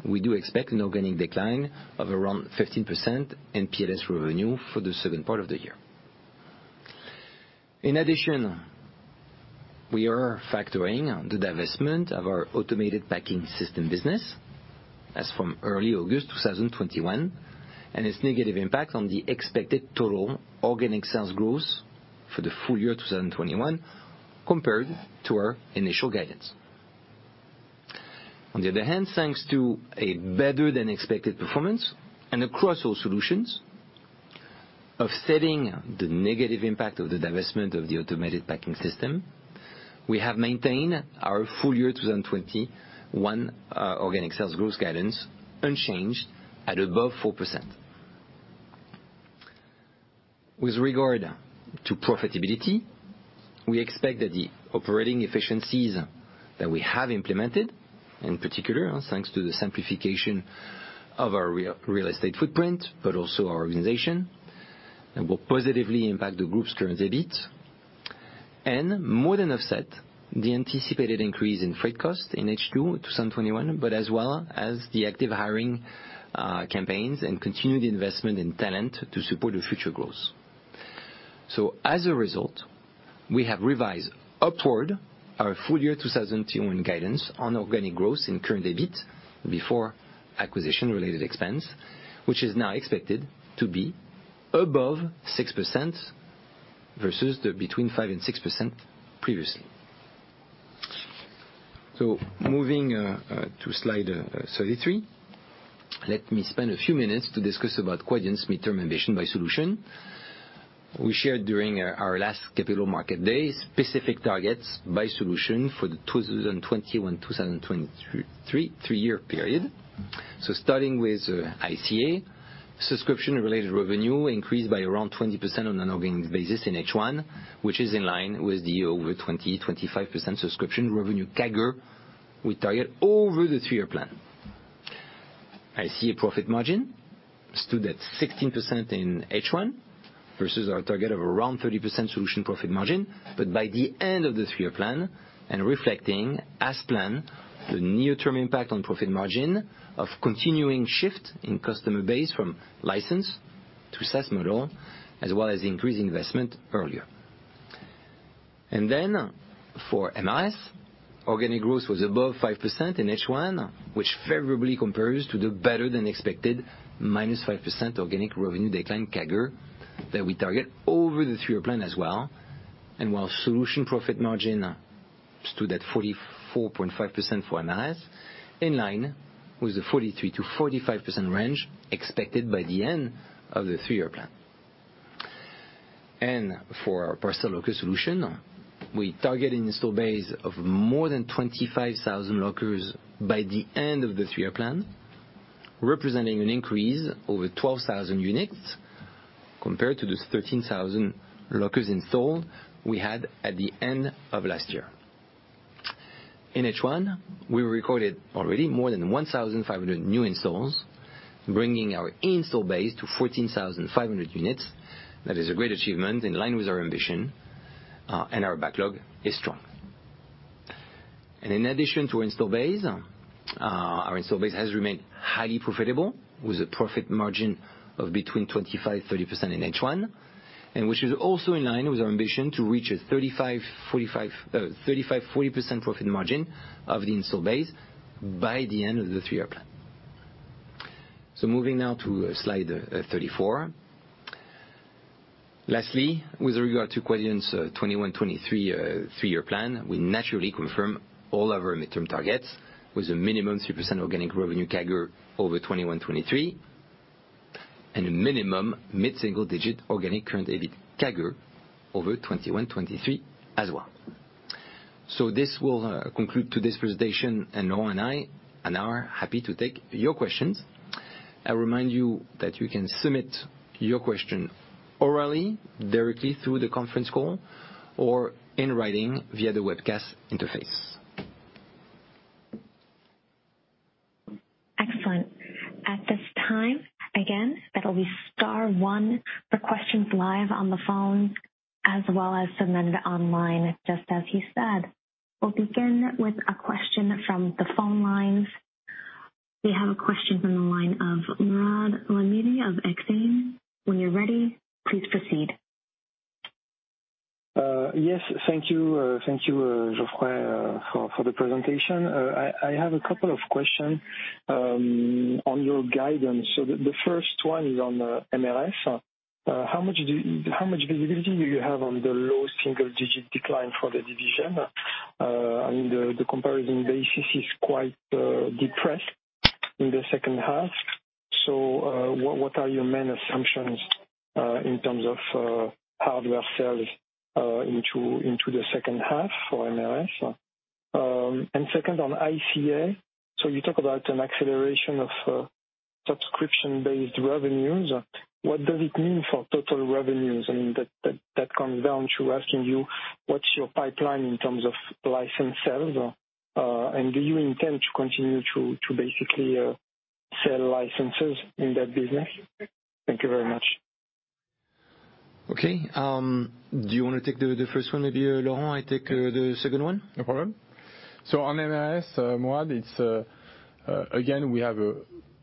we do expect an organic decline of around 15% in PLS revenue for the second part of the year. In addition, we are factoring the divestment of our automated packaging solutions business as from early August 2021, and its negative impact on the expected total organic sales growth for the full year 2021 compared to our initial guidance. On the other hand, thanks to a better-than-expected performance across all solutions, offsetting the negative impact of the divestment of the automated packaging solutions, we have maintained our full year 2021 organic sales growth guidance unchanged at above 4%. With regard to profitability, we expect that the operating efficiencies that we have implemented, in particular, thanks to the simplification of our real estate footprint, but also our organization, will positively impact the group's current EBIT and more than offset the anticipated increase in freight cost in H2 2021, as well as the active hiring campaigns and continued investment in talent to support the future growth. As a result, we have revised upward our full year 2021 guidance on organic growth in current EBIT before acquisition-related expense, which is now expected to be above 6% versus the between 5% and 6% previously. Moving to slide 33, let me spend a few minutes to discuss about Quadient's midterm ambition by solution. We shared during our last capital market day specific targets by solution for the 2021-2023 3-year period. Starting with ICA, subscription-related revenue increased by around 20% on an ongoing basis in H1, which is in line with the over 20%-25% subscription revenue CAGR we target over the three-year plan. ICA profit margin stood at 16% in H1 versus our target of around 30% solution profit margin. By the end of the three-year plan and reflecting as planned the near-term impact on profit margin of continuing shift in customer base from license to SaaS model, as well as increased investment earlier. For MRS, organic growth was above 5% in H1, which favorably compares to the better-than-expected minus 5% organic revenue decline CAGR that we target over the three-year plan as well. While solution profit margin stood at 44.5% for MRS, in line with the 43%-45% range expected by the end of the three-year plan. For our parcel locker solution, we target an install base of more than 25,000 lockers by the end of the three-year plan, representing an increase over 12,000 units compared to the 13,000 lockers installed we had at the end of last year. In H1, we recorded already more than 1,500 new installs, bringing our install base to 14,500 units. That is a great achievement in line with our ambition, and our backlog is strong. In addition to our install base, our install base has remained highly profitable with a profit margin of between 25%-30% in H1, which is also in line with our ambition to reach a 35%-40% profit margin of the install base by the end of the three-year plan. Moving now to slide 34. With regard to Quadient's 2021-2023 three-year plan, we naturally confirm all of our midterm targets with a minimum 3% organic revenue CAGR over 2021, 2023, and a minimum mid-single digit organic current EBIT CAGR over 2021, 2023 as well. This will conclude today's presentation, and Laurent and I are happy to take your questions. I remind you that you can submit your question orally, directly through the conference call, or in writing via the webcast interface. Excellent. At this time, again, it will be star one for questions live on the phone as well as submitted online just as he said. We will begin with a question from the phone lines. We have a question from the line of Mouad Lemini of Exane. When you are ready, please proceed. Yes. Thank you. Thank you, Geoffrey, for the presentation. I have a couple of questions on your guidance. The first one is on MRS. How much visibility do you have on the low single-digit decline for the division? The comparison basis is quite depressed in the second half. What are your main assumptions in terms of hardware sales into the second half for MRS? Second on ICA, you talk about an acceleration of subscription-based revenues. What does it mean for total revenues? That comes down to asking you, what's your pipeline in terms of license sales, and do you intend to continue to basically sell licenses in that business? Thank you very much. Okay. Do you want to take the first one maybe, Laurent? I take the second one. No problem. On MRS, Mouad, again, we have a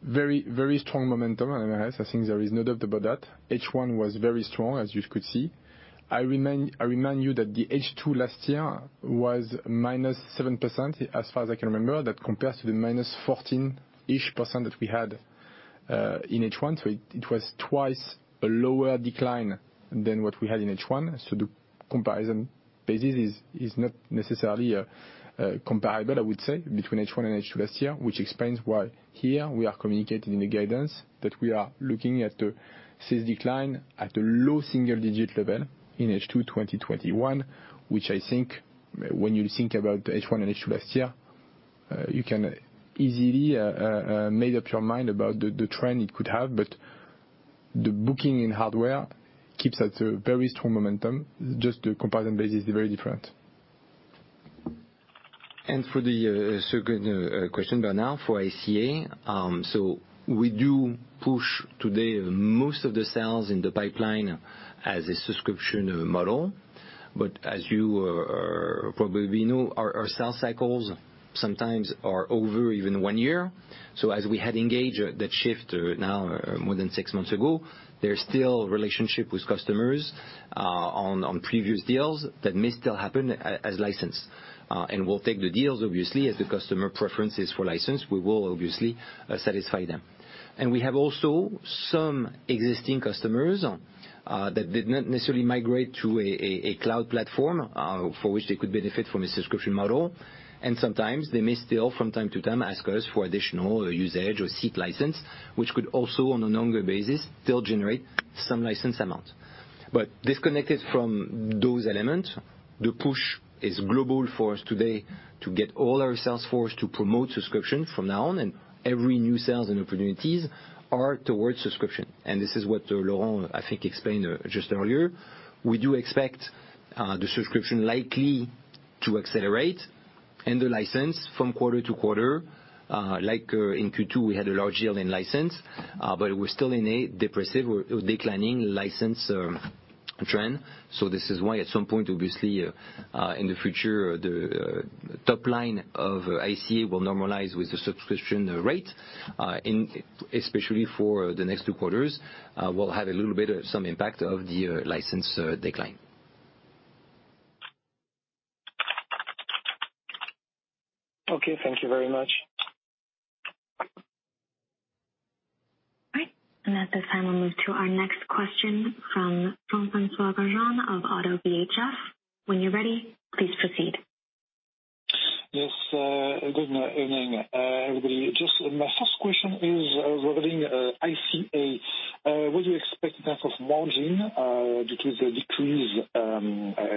very strong momentum on MRS. I think there is no doubt about that. H1 was very strong, as you could see. I remind you that the H2 last year was minus 7%, as far as I can remember. That compares to the minus 14% that we had in H1. It was twice a lower decline than what we had in H1. The comparison basis is not necessarily comparable, I would say, between H1 and H2 last year, which explains why here we are communicating the guidance that we are looking at the sales decline at a low single-digit level in H2 2021, which I think when you think about H1 and H2 last year, you can easily make up your mind about the trend it could have. The booking in hardware keeps at a very strong momentum, just the comparison basis is very different. For the second question, Bernard, for ICA. We do push today most of the sales in the pipeline as a subscription model. As you probably know, our sales cycles sometimes are over even 1 year. As we had engaged that shift now more than 6 months ago, there's still relationship with customers on previous deals that may still happen as licensed. We'll take the deals, obviously, if the customer preference is for licensed, we will obviously satisfy them. We have also some existing customers that did not necessarily migrate to a cloud platform, for which they could benefit from a subscription model. Sometimes they may still from time to time ask us for additional usage or seat license, which could also, on a longer basis, still generate some license amount. Disconnected from those elements, the push is global for us today to get all our sales force to promote subscription from now on, and every new sales and opportunities are towards subscription. This is what Laurent, I think, explained just earlier. We do expect the subscription likely to accelerate and the license from quarter to quarter. Like in Q2, we had a large yield in license, but we are still in a depressive or declining license trend. This is why at some point, obviously, in the future, the top line of ICA will normalize with the subscription rate, especially for the next two quarters. We will have a little bit of some impact of the license decline. Okay, thank you very much. All right. At this time, we'll move to our next question from Jean-Francois Bergeon of Oddo BHF. When you're ready, please proceed. Yes. Good evening, everybody. Just my first question is regarding ICA. What do you expect in terms of margin due to the decrease after the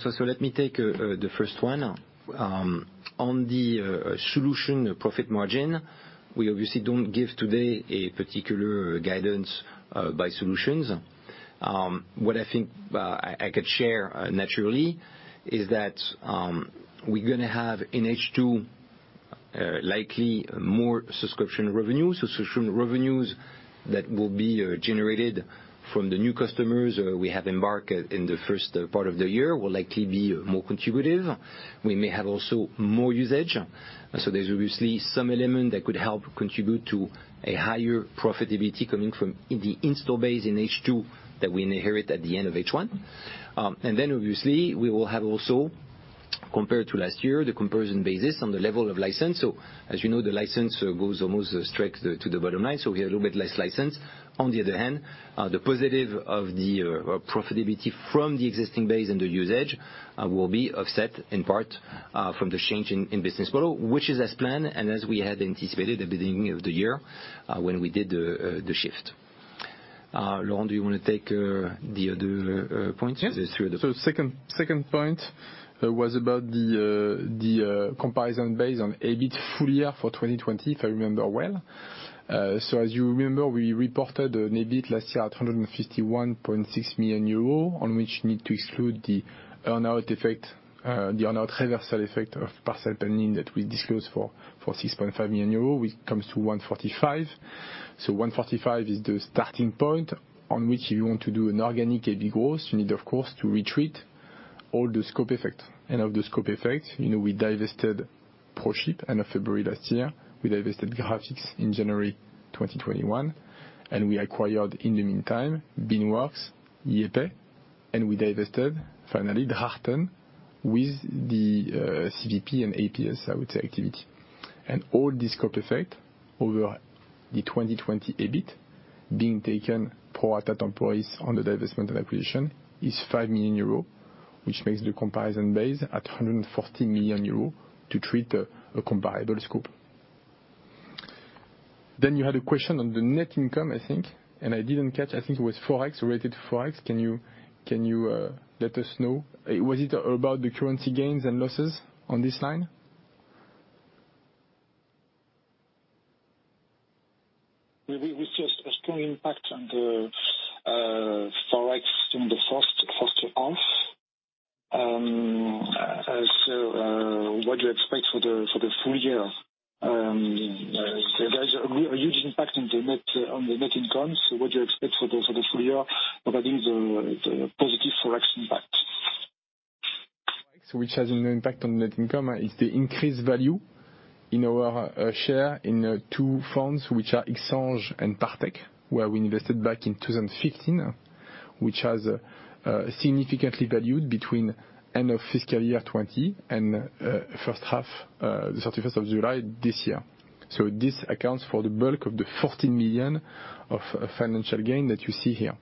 for ICA? My second question, when you mention organic growth for the EBIT above 6%, if I well understand, the pro forma last year will be EUR 140 million. Is it exactly? My third question concerns the positive Forex impact. There's a huge impact on the net income. What do you expect for the full year? My last question regarding the SG&A. If I well understand, the SG&A decrease during the first half, do you expect the same magnitude of decrease for the SG&A for the full year? Thank you. Okay. Thank you, Jean-Francois. Let me take the first one. On the solution profit margin, we obviously don't give today a particular guidance by solutions. What I think I could share naturally is that we're going to have in H2 likely more subscription revenues. Subscription revenues that will be generated from the new customers we have embarked in the first part of the year will likely be more contributive. We may have also more usage. There's obviously some element that could help contribute to a higher profitability coming from the install base in H2 that we inherit at the end of H1. Obviously, we will have also, compared to last year, the comparison basis on the level of license. As you know, the license goes almost straight to the bottom line. We have a little bit less license. On the other hand, the positive of the profitability from the existing base and the usage will be offset in part from the change in business model, which is as planned and as we had anticipated at the beginning of the year when we did the shift. Laurent, do you want to take the other points? Yes. Second point was about the comparison based on EBIT full year for 2020, if I remember well. As you remember, we reported an EBIT last year at 151.6 million euros, on which need to exclude the earn-out reversal effect of Parcel Pending that we disclose for 6.5 million euro, which comes to 145 million. 145 million is the starting point on which you want to do an organic EBIT growth. You need, of course, to restate all the scope effect. Of the scope effects, we divested ProShip end of February last year. We divested Graphics in January 2021, and we acquired, in the meantime, Beanworks, YayPay, and we divested, finally, Drachten with the CVP and APS, I would say, activity. All this scope effect over the 2020 EBIT being taken pro rata temporis on the divestment and acquisition is 5 million euros, which makes the comparison base at 140 million euros to treat a comparable scope. You had a question on the net income, I think. I didn't catch, I think it was ForEx, related to ForEx. Can you let us know? Was it about the currency gains and losses on this line? We see a strong impact on the ForEx in the first half. What you expect for the full year? There's a huge impact on the net income. What do you expect for the full year regarding the positive ForEx impact? ForEx, which has an impact on net income, is the increased value in our share in two firms, which are Xange and Partech, where we invested back in 2015, which has significantly valued between end of fiscal year 2020 and first half, the 31st of July this year. This accounts for the bulk of the 14 million of financial gain that you see here.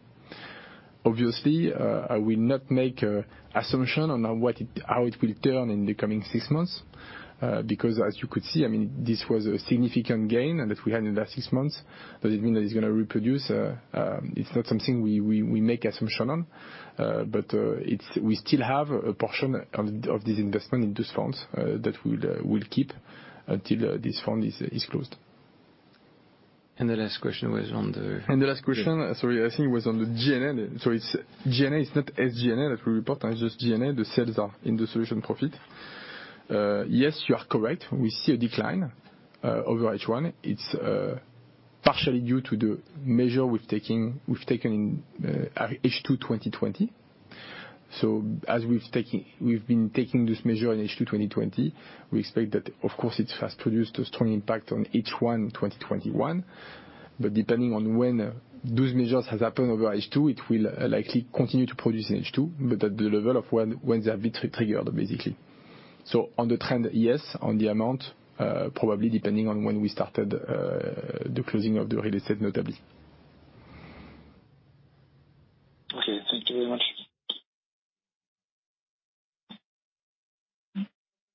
Obviously, I will not make assumption on how it will turn in the coming six months, because as you could see, this was a significant gain, and that we had in the last six months. Does it mean that it's going to reproduce? It's not something we make assumption on. We still have a portion of this investment in those firms that we'll keep until this firm is closed. The last question was on. The last question, sorry, I think it was on the G&A. It's G&A, it's not SG&A that we report, it's just G&A. The sales are in the solution profit. Yes, you are correct. We see a decline over H1. It's partially due to the measure we've taken in H2 2020. As we've been taking this measure in H2 2020, we expect that, of course, it has produced a strong impact on H1 2021. Depending on when those measures has happened over H2, it will likely continue to produce in H2, but at the level of when they have been triggered, basically. On the trend, yes. On the amount, probably depending on when we started the closing of the real estate, notably. Okay. Thank you very much.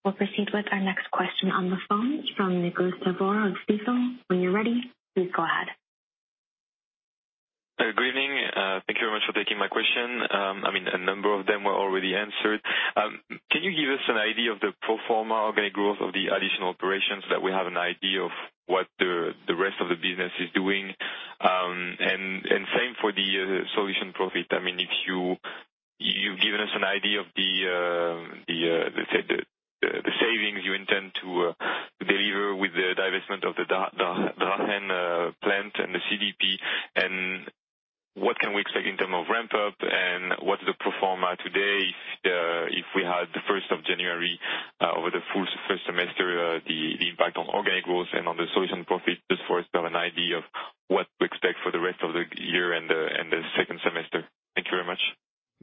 We'll proceed with our next question on the phone from Nicolas [Devoe] of Jefferies. When you're ready, please go ahead. Good evening. Thank you very much for taking my question. A number of them were already answered. Can you give us an idea of the pro forma organic growth of the additional operations that we have an idea of what the rest of the business is doing? Same for the solution profit. You've given us an idea of the, let's say, the savings you intend to deliver with the divestment of the Drachten plant and the CVP, and what can we expect in term of ramp-up and what is the pro forma today if we had the 1st of January over the full first semester, the impact on organic growth and on the solution profit, just for us to have an idea of what to expect for the rest of the year and the second semester. Thank you very much.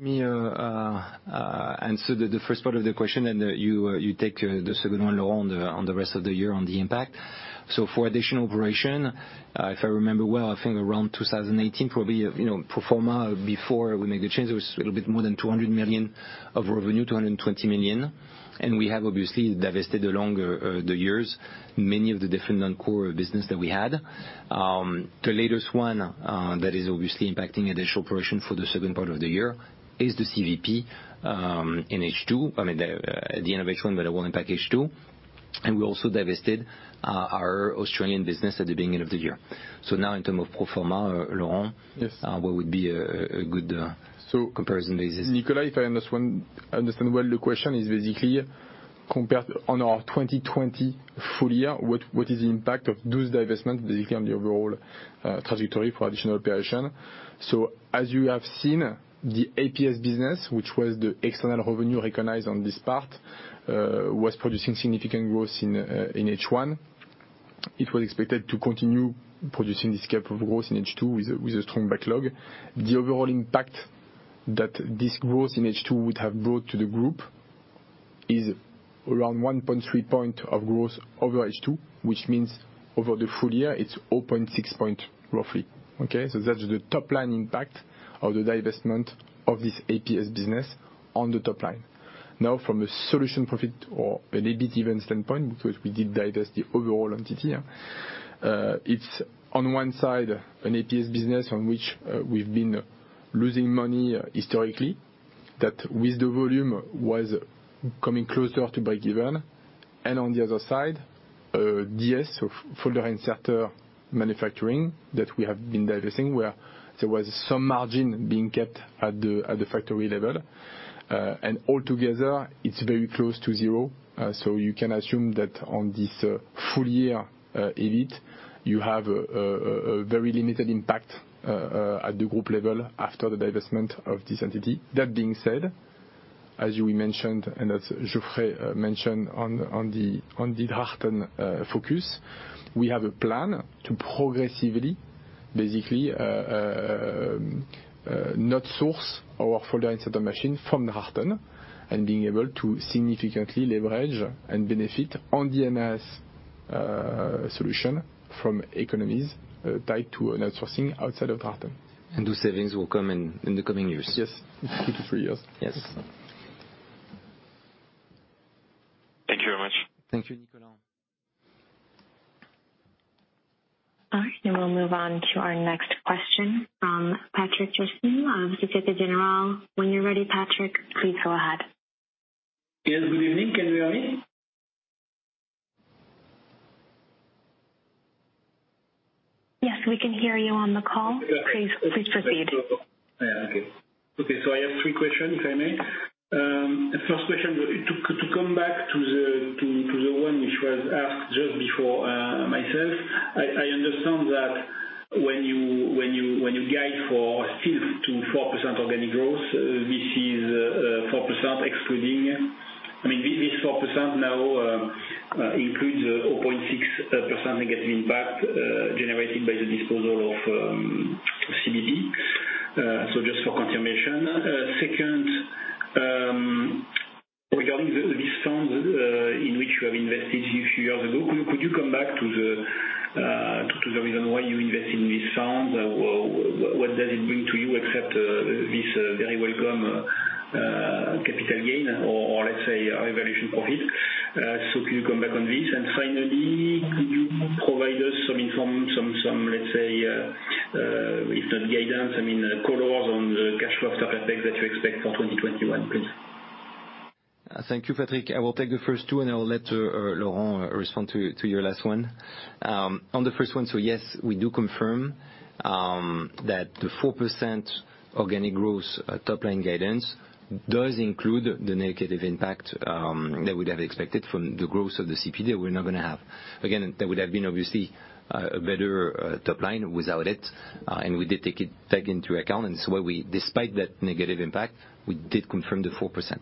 Me answer the first part of the question, and you take the second one, Laurent, on the rest of the year on the impact. For additional operation, if I remember well, I think around 2018, probably, pro forma, before we make the change, it was a little bit more than 200 million of revenue, 220 million. We have obviously divested along the years many of the different non-core business that we had. The latest one that is obviously impacting additional operation for the second part of the year is the CVP in H2. I mean, at the end of H1, but it will impact H2. We also divested our Australian business at the beginning of the year. Now in term of pro forma, Laurent- Yes. What would be a good comparison basis? Nicolas, if I understand well, the question is basically compared on our 2020 full year, what is the impact of those divestment basically on the overall trajectory for additional operation? As you have seen, the APS business, which was the external revenue recognized on this part, was producing significant growth in H1. It was expected to continue producing this type of growth in H2 with a strong backlog. The overall impact that this growth in H2 would have brought to the group is around 1.3 point of growth over H2, which means over the full year, it's 0.6 point roughly. Okay? That's the top line impact. Of the divestment of this APS business on the top line. Now, from a solution profit or an EBIT standpoint, because we did divest the overall entity. It's on one side, an APS business on which we've been losing money historically, that with the volume was coming closer to break even. On the other side, DS, so Folder Inserter manufacturing that we have been divesting, where there was some margin being kept at the factory level. All together, it's very close to zero. You can assume that on this full year EBIT, you have a very limited impact at the group level after the divestment of this entity. That being said, as we mentioned, and as Geoffrey mentioned on the Drachten focus, we have a plan to progressively, basically, not source our folder inserter machine from Drachten, and being able to significantly leverage and benefit on the MRS solution from economies tied to an outsourcing outside of Drachten. Those savings will come in the coming years. Yes. Two to three years. Yes. Thank you very much. Thank you, Nicolas. All right, we'll move on to our next question from Patrick Jousseaume of Societe Generale. When you're ready, Patrick, please go ahead. Yes, good evening. Can you hear me? Yes, we can hear you on the call. Please proceed. Yeah, okay. Okay, I have three questions, if I may. The first question, to come back to the one which was asked just before myself. I understand that when you guide for still to 4% organic growth, this 4% now includes 0.6% negative impact generated by the disposal of CVP. Just for confirmation. Second, regarding this fund in which you have invested a few years ago, could you come back to the reason why you invest in this fund? What does it bring to you except this very welcome capital gain or let's say, revaluation profit? Can you come back on this? Finally, could you provide us some, let's say, if not guidance, colors on the cash flow after effects that you expect for 2021, please? Thank you, Patrick. I will take the first two, and I will let Laurent respond to your last one. On the first one, Yes, we do confirm that the 4% organic growth top line guidance does include the negative impact that we'd have expected from the growth of the CVP that we're not going to have. That would have been obviously a better top line without it, We did take it into account. Despite that negative impact, we did confirm the 4%.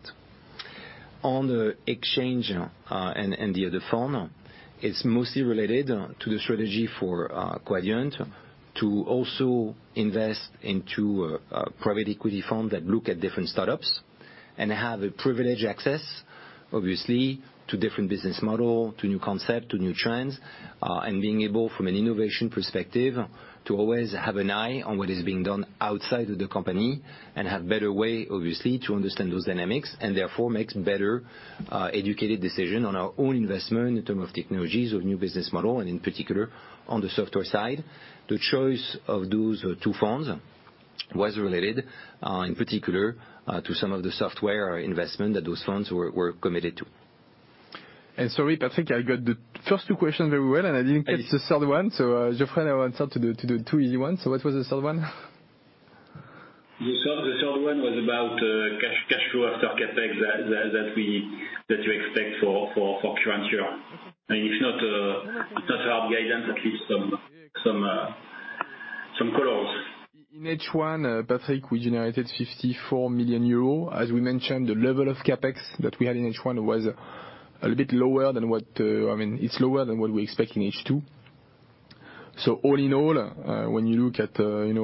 On the exchange and the other fund, it's mostly related to the strategy for Quadient to also invest into a private equity fund that look at different startups, have a privileged access, obviously, to different business model, to new concept, to new trends. Being able from an innovation perspective, to always have an eye on what is being done outside of the company and have better way, obviously, to understand those dynamics and therefore makes better educated decision on our own investment in terms of technologies or new business model, and in particular, on the software side. The choice of those 2 funds was related, in particular, to some of the software investment that those funds were committed to. Sorry, Patrick, I got the first two questions very well, and I didn't catch the third one. Geoffrey now answer to the two easy ones. What was the third one? The third one was about cash flow after CapEx that you expect for current year. If not hard guidance, at least some colors. In H1, Patrick, we generated 54 million euros. As we mentioned, the level of CapEx that we had in H1 was a little bit lower than it's lower than what we expect in H2. All in all, when you look at your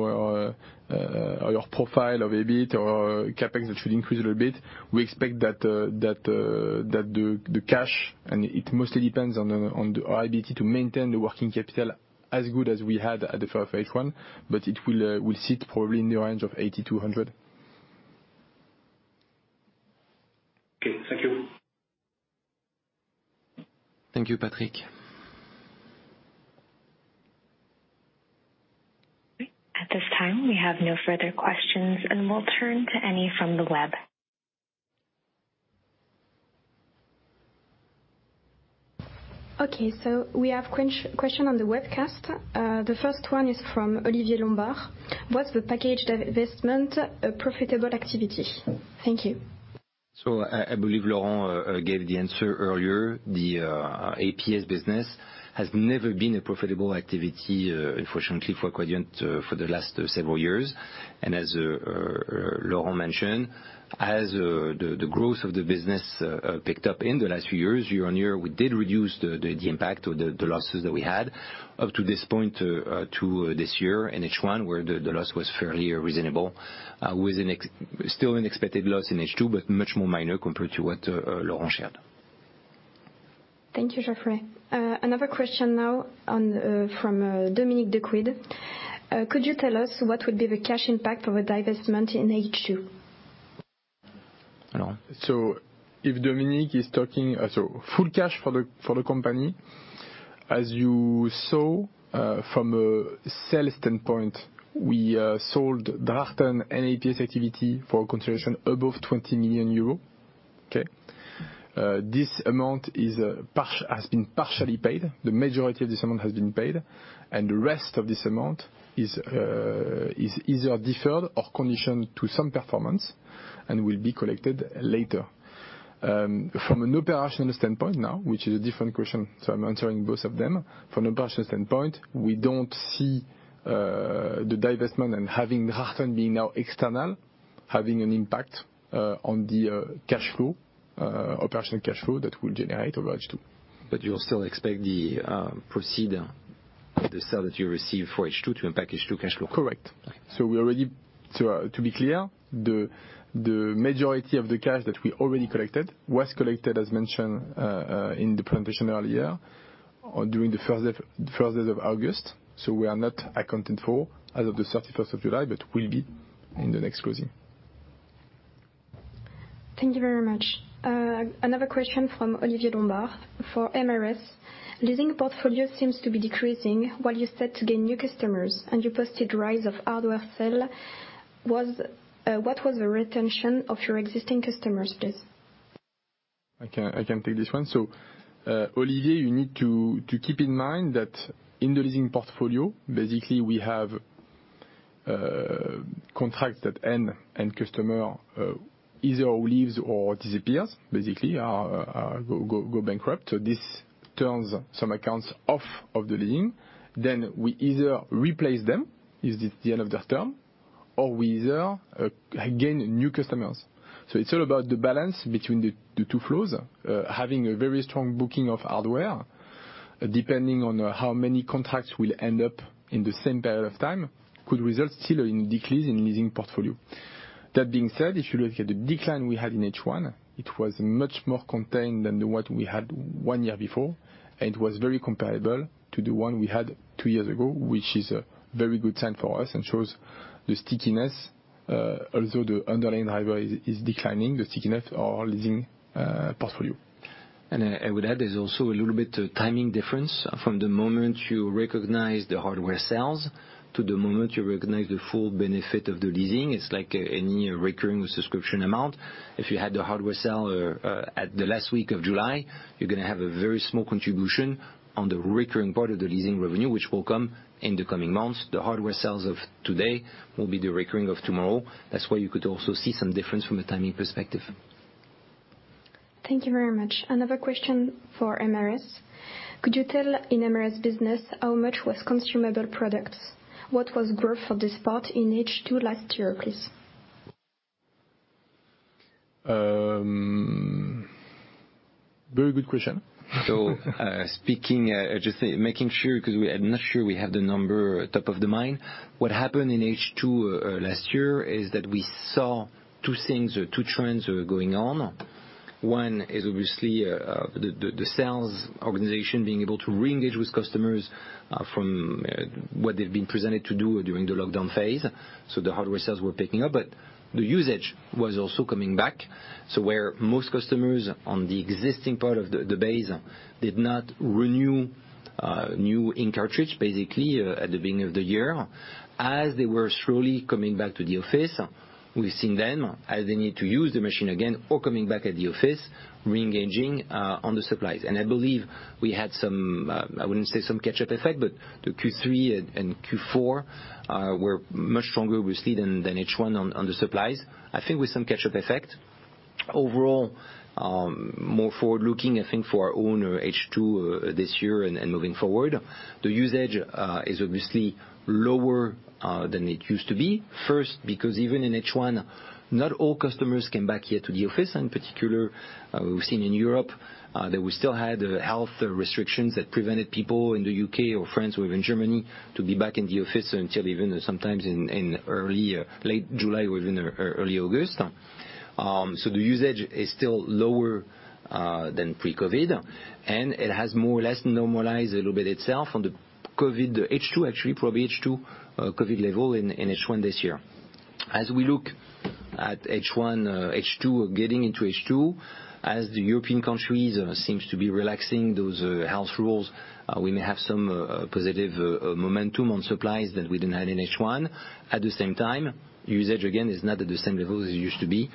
profile of EBIT or CapEx, that should increase a little bit. We expect that the cash, and it mostly depends on the EBIT to maintain the working capital as good as we had at the fair H1, but it will sit probably in the range of 8,200. Okay, thank you. Thank you, Patrick. At this time, we have no further questions, and we'll turn to Annie from the web. We have question on the webcast. The first one is from Olivier Lombard. "Was the packaged investment a profitable activity?" Thank you. I believe Laurent gave the answer earlier. The APS business has never been a profitable activity, unfortunately, for Quadient for the last several years. As Laurent mentioned, as the growth of the business picked up in the last few years, year-on-year, we did reduce the impact of the losses that we had up to this point to this year in H1 where the loss was fairly reasonable, with still an expected loss in H2, but much more minor compared to what Laurent shared. Thank you, Geoffrey. Another question now from Dominic DeQuid. Could you tell us what would be the cash impact of a divestment in H2? If Dominic is talking full cash for the company, as you saw from a sales standpoint, we sold Drachten APS activity for consideration above 20 million euro. Okay. This amount has been partially paid. The majority of this amount has been paid, and the rest of this amount is either deferred or conditioned to some performance and will be collected later. From an operational standpoint now, which is a different question, I'm answering both of them. From an operational standpoint, we don't see the divestment and having Drachten being now external, having an impact on the cash flow, operational cash flow that will generate over H2. You still expect the proceeds from the sale that you receive for H2 to impact H2 cash flow. Correct. We are ready. To be clear, the majority of the cash that we already collected was collected, as mentioned, in the presentation earlier on during the 1st of August. We are not accounted for as of the 31st of July, but will be in the next closing. Thank you very much. Another question from Olivier Lombard for MRS. Leasing portfolio seems to be decreasing while you said to gain new customers and you posted rise of hardware sale. What was the retention of your existing customer base? I can take this one. Olivier Lombard, you need to keep in mind that in the leasing portfolio, basically, we have contracts that end and customer either leaves or disappears. Basically, go bankrupt. This turns some accounts off of the leasing. We either replace them, is the end of their term, or we either gain new customers. It's all about the balance between the two flows. Having a very strong booking of hardware, depending on how many contracts will end up in the same period of time, could result still in decrease in leasing portfolio. That being said, if you look at the decline we had in H1, it was much more contained than what we had 1 year before, and it was very comparable to the one we had 2 years ago, which is a very good sign for us and shows the stickiness. Although the underlying driver is declining, the stickiness of our leasing portfolio. I would add, there's also a little bit timing difference from the moment you recognize the hardware sales to the moment you recognize the full benefit of the leasing. It's like any recurring subscription amount. If you had the hardware sale at the last week of July, you're going to have a very small contribution on the recurring part of the leasing revenue, which will come in the coming months. The hardware sales of today will be the recurring of tomorrow. That's why you could also see some difference from a timing perspective. Thank you very much. Another question for MRS. Could you tell, in MRS business, how much was consumable products? What was growth for this part in H2 last year, please? Very good question. Making sure, because I'm not sure we have the number top of the mind. What happened in H2 last year is that we saw two things or two trends were going on. One is obviously the sales organization being able to reengage with customers from what they've been presented to do during the lockdown phase. The hardware sales were picking up, but the usage was also coming back. Where most customers on the existing part of the base did not renew ink cartridge, basically, at the beginning of the year, as they were slowly coming back to the office, we've seen them as they need to use the machine again or coming back at the office, reengaging on the supplies. I believe we had some, I wouldn't say some catch-up effect, but the Q3 and Q4 were much stronger, obviously, than H1 on the supplies. I think with some catch-up effect. Overall, more forward-looking, I think, for our own H2 this year and moving forward. The usage is obviously lower than it used to be. First, because even in H1, not all customers came back yet to the office. In particular, we've seen in Europe that we still had health restrictions that prevented people in the U.K. or France or even Germany to be back in the office until even sometimes in late July or even early August. The usage is still lower than pre-COVID, and it has more or less normalized a little bit itself on the H2, actually, probably H2 COVID level in H1 this year. As we look at H1, H2, getting into H2, as the European countries seems to be relaxing those health rules, we may have some positive momentum on supplies that we didn't have in H1. At the same time, usage, again, is not at the same level as it used to be.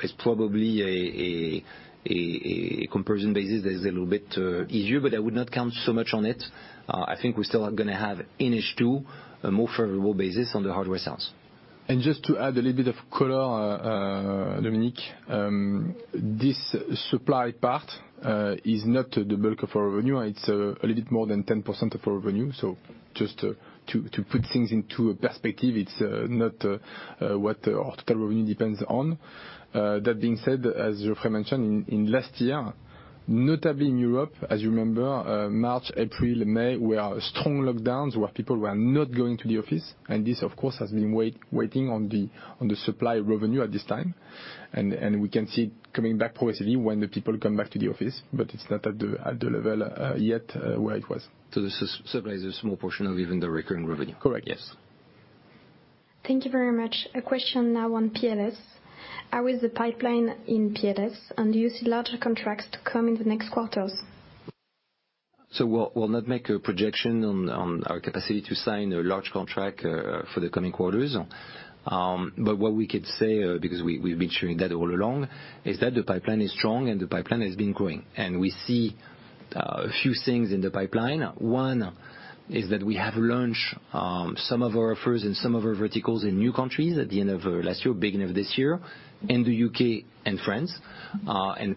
It's probably a comparison basis that is a little bit easier, but I would not count so much on it. I think we still are going to have, in H2, a more favorable basis on the hardware sales. Just to add a little bit of color, Dominic, this supply part is not the bulk of our revenue. It's a little bit more than 10% of our revenue. Just to put things into a perspective, it's not what our total revenue depends on. That being said, as Geoffrey mentioned, in last year, notably in Europe, as you remember, March, April, May were strong lockdowns where people were not going to the office. This, of course, has been waiting on the supply revenue at this time. We can see it coming back progressively when the people come back to the office, but it's not at the level yet where it was. This is certainly a small portion of even the recurring revenue. Correct. Yes. Thank you very much. A question now on PLS. How is the pipeline in PLS, and do you see larger contracts to come in the next quarters? We'll not make a projection on our capacity to sign a large contract for the coming quarters. What we could say, because we've been sharing that all along, is that the pipeline is strong and the pipeline has been growing. We see a few things in the pipeline. One is that we have launched some of our offers and some of our verticals in new countries at the end of last year, beginning of this year, in the U.K. and France.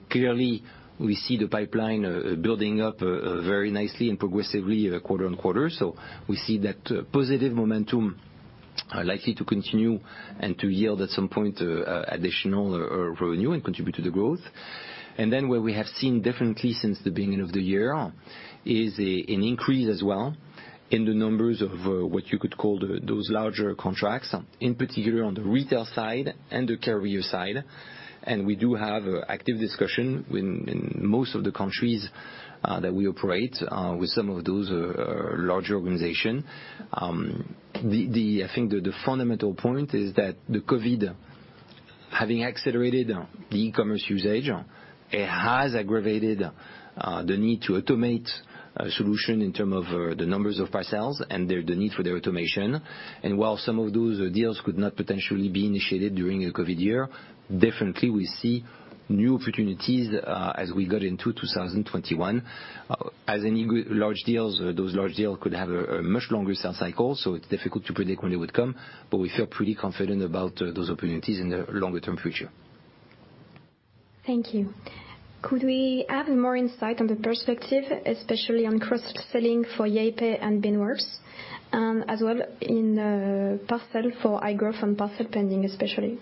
Clearly, we see the pipeline building up very nicely and progressively quarter on quarter. We see that positive momentum likely to continue and to yield at some point additional revenue and contribute to the growth. Where we have seen differently since the beginning of the year is an increase as well in the numbers of what you could call those larger contracts, in particular on the retail side and the carrier side. We do have active discussion in most of the countries that we operate with some of those large organization. I think the fundamental point is that the COVID-19 having accelerated the e-commerce usage, it has aggravated the need to automate a solution in term of the numbers of parcels and the need for their automation. While some of those deals could not potentially be initiated during a COVID-19 year, definitely we see new opportunities as we got into 2021. As any large deals, those large deals could have a much longer sales cycle. It's difficult to predict when they would come. We feel pretty confident about those opportunities in the longer-term future. Thank you. Could we have more insight on the perspective, especially on cross-selling for YayPay and Beanworks, and as well in parcel for iGrowth and Parcel Pending, especially?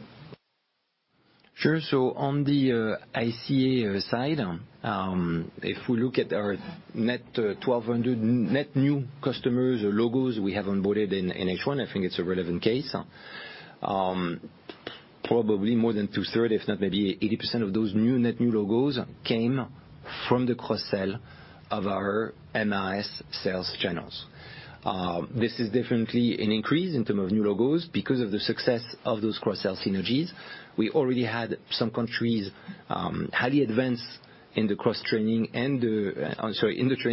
Sure. On the ICA side, if we look at our net 1,200 net new customers or logos we have onboarded in H1, I think it's a relevant case. Probably more than 2/3, if not maybe 80% of those net new logos came from the cross-sell of our MIS sales channels. This is definitely an increase in terms of new logos because of the success of those cross-sell synergies. We already had some countries highly advanced in the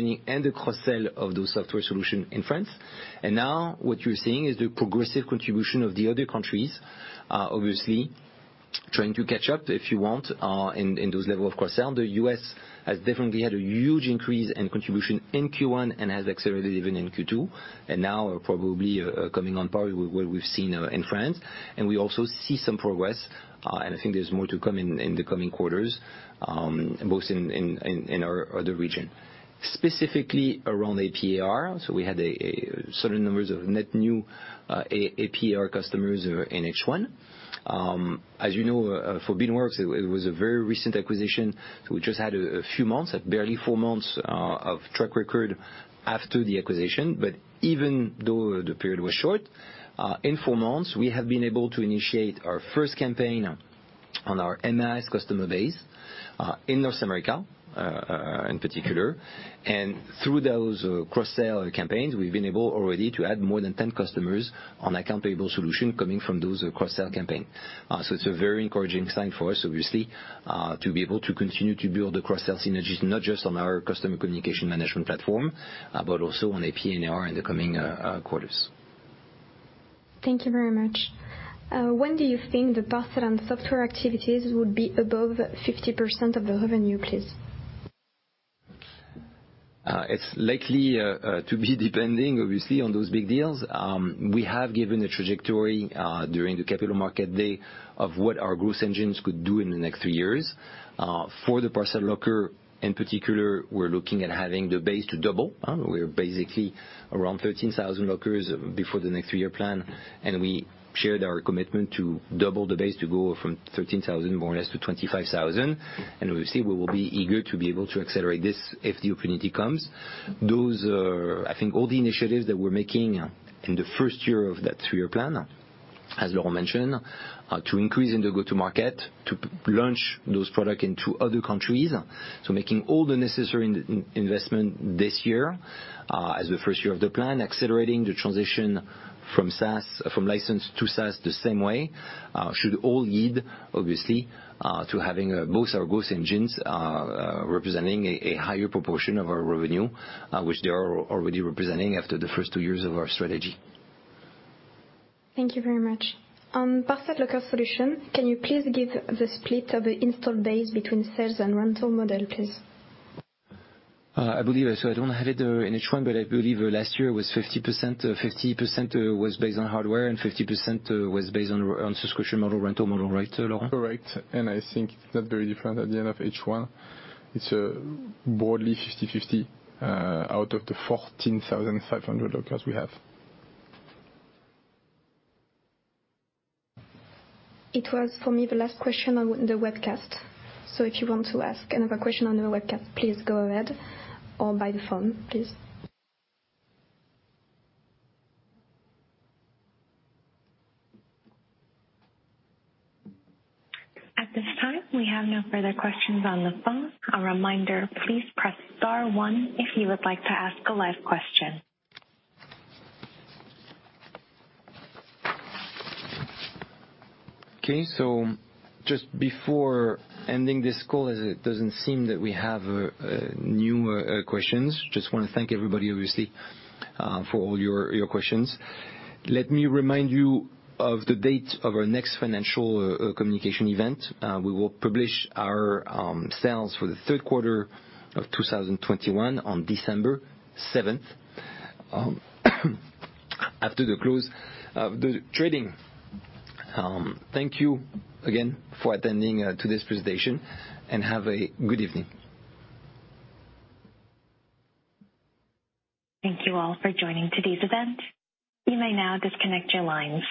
training and the cross-sell of those software solutions in France. Now what you're seeing is the progressive contribution of the other countries, obviously trying to catch up, if you want, in those levels of cross-sell. The U.S. has definitely had a huge increase in contribution in Q1 and has accelerated even in Q2, and now probably coming on par with what we've seen in France. We also see some progress, and I think there's more to come in the coming quarters, both in our other region. Specifically around AP/AR, we had a certain numbers of net new AP/AR customers in H1. As you know, for Beanworks, it was a very recent acquisition, we just had a few months, barely 4 months of track record after the acquisition. Even though the period was short, in 4 months, we have been able to initiate our first campaign on our MRS customer base, in North America in particular. Through those cross-sell campaigns, we've been able already to add more than 10 customers on Accounts Payable solution coming from those cross-sell campaign. It's a very encouraging sign for us, obviously, to be able to continue to build the cross-sell synergies, not just on our Customer Communications Management platform, but also on AP/AR in the coming quarters. Thank you very much. When do you think the parcel and software activities would be above 50% of the revenue, please? It's likely to be depending, obviously, on those big deals. We have given a trajectory during the capital market day of what our growth engines could do in the next 3 years. For the parcel locker in particular, we're looking at having the base to double. We're basically around 13,000 lockers before the next 3-year plan, and we shared our commitment to double the base to go from 13,000 more or less to 25,000. Obviously, we will be eager to be able to accelerate this if the opportunity comes. I think all the initiatives that we're making in the first year of that 3-year plan, as Laurent mentioned, to increase in the go-to market, to launch those product into other countries. Making all the necessary investment this year as the first year of the plan, accelerating the transition from licensed to SaaS the same way, should all lead, obviously, to having both our growth engines representing a higher proportion of our revenue, which they are already representing after the first two years of our strategy. Thank you very much. On parcel locker solution, can you please give the split of the install base between sales and rental model, please? I believe, so I don't have it in H1, but I believe last year it was 50% was based on hardware and 50% was based on subscription model, rental model. Right, Laurent? Correct. I think it's not very different at the end of H1. It's broadly 50/50 out of the 14,500 lockers we have. It was, for me, the last question on the webcast. If you want to ask another question on the webcast, please go ahead, or by the phone, please. At this time, we have no further questions on the phone. A reminder, please press star one if you would like to ask a live question. Just before ending this call, as it doesn't seem that we have new questions, just want to thank everybody, obviously, for all your questions. Let me remind you of the date of our next financial communication event. We will publish our sales for the third quarter of 2021 on December 7th after the close of the trading. Thank you again for attending today's presentation, and have a good evening. Thank you all for joining today's event. You may now disconnect your lines.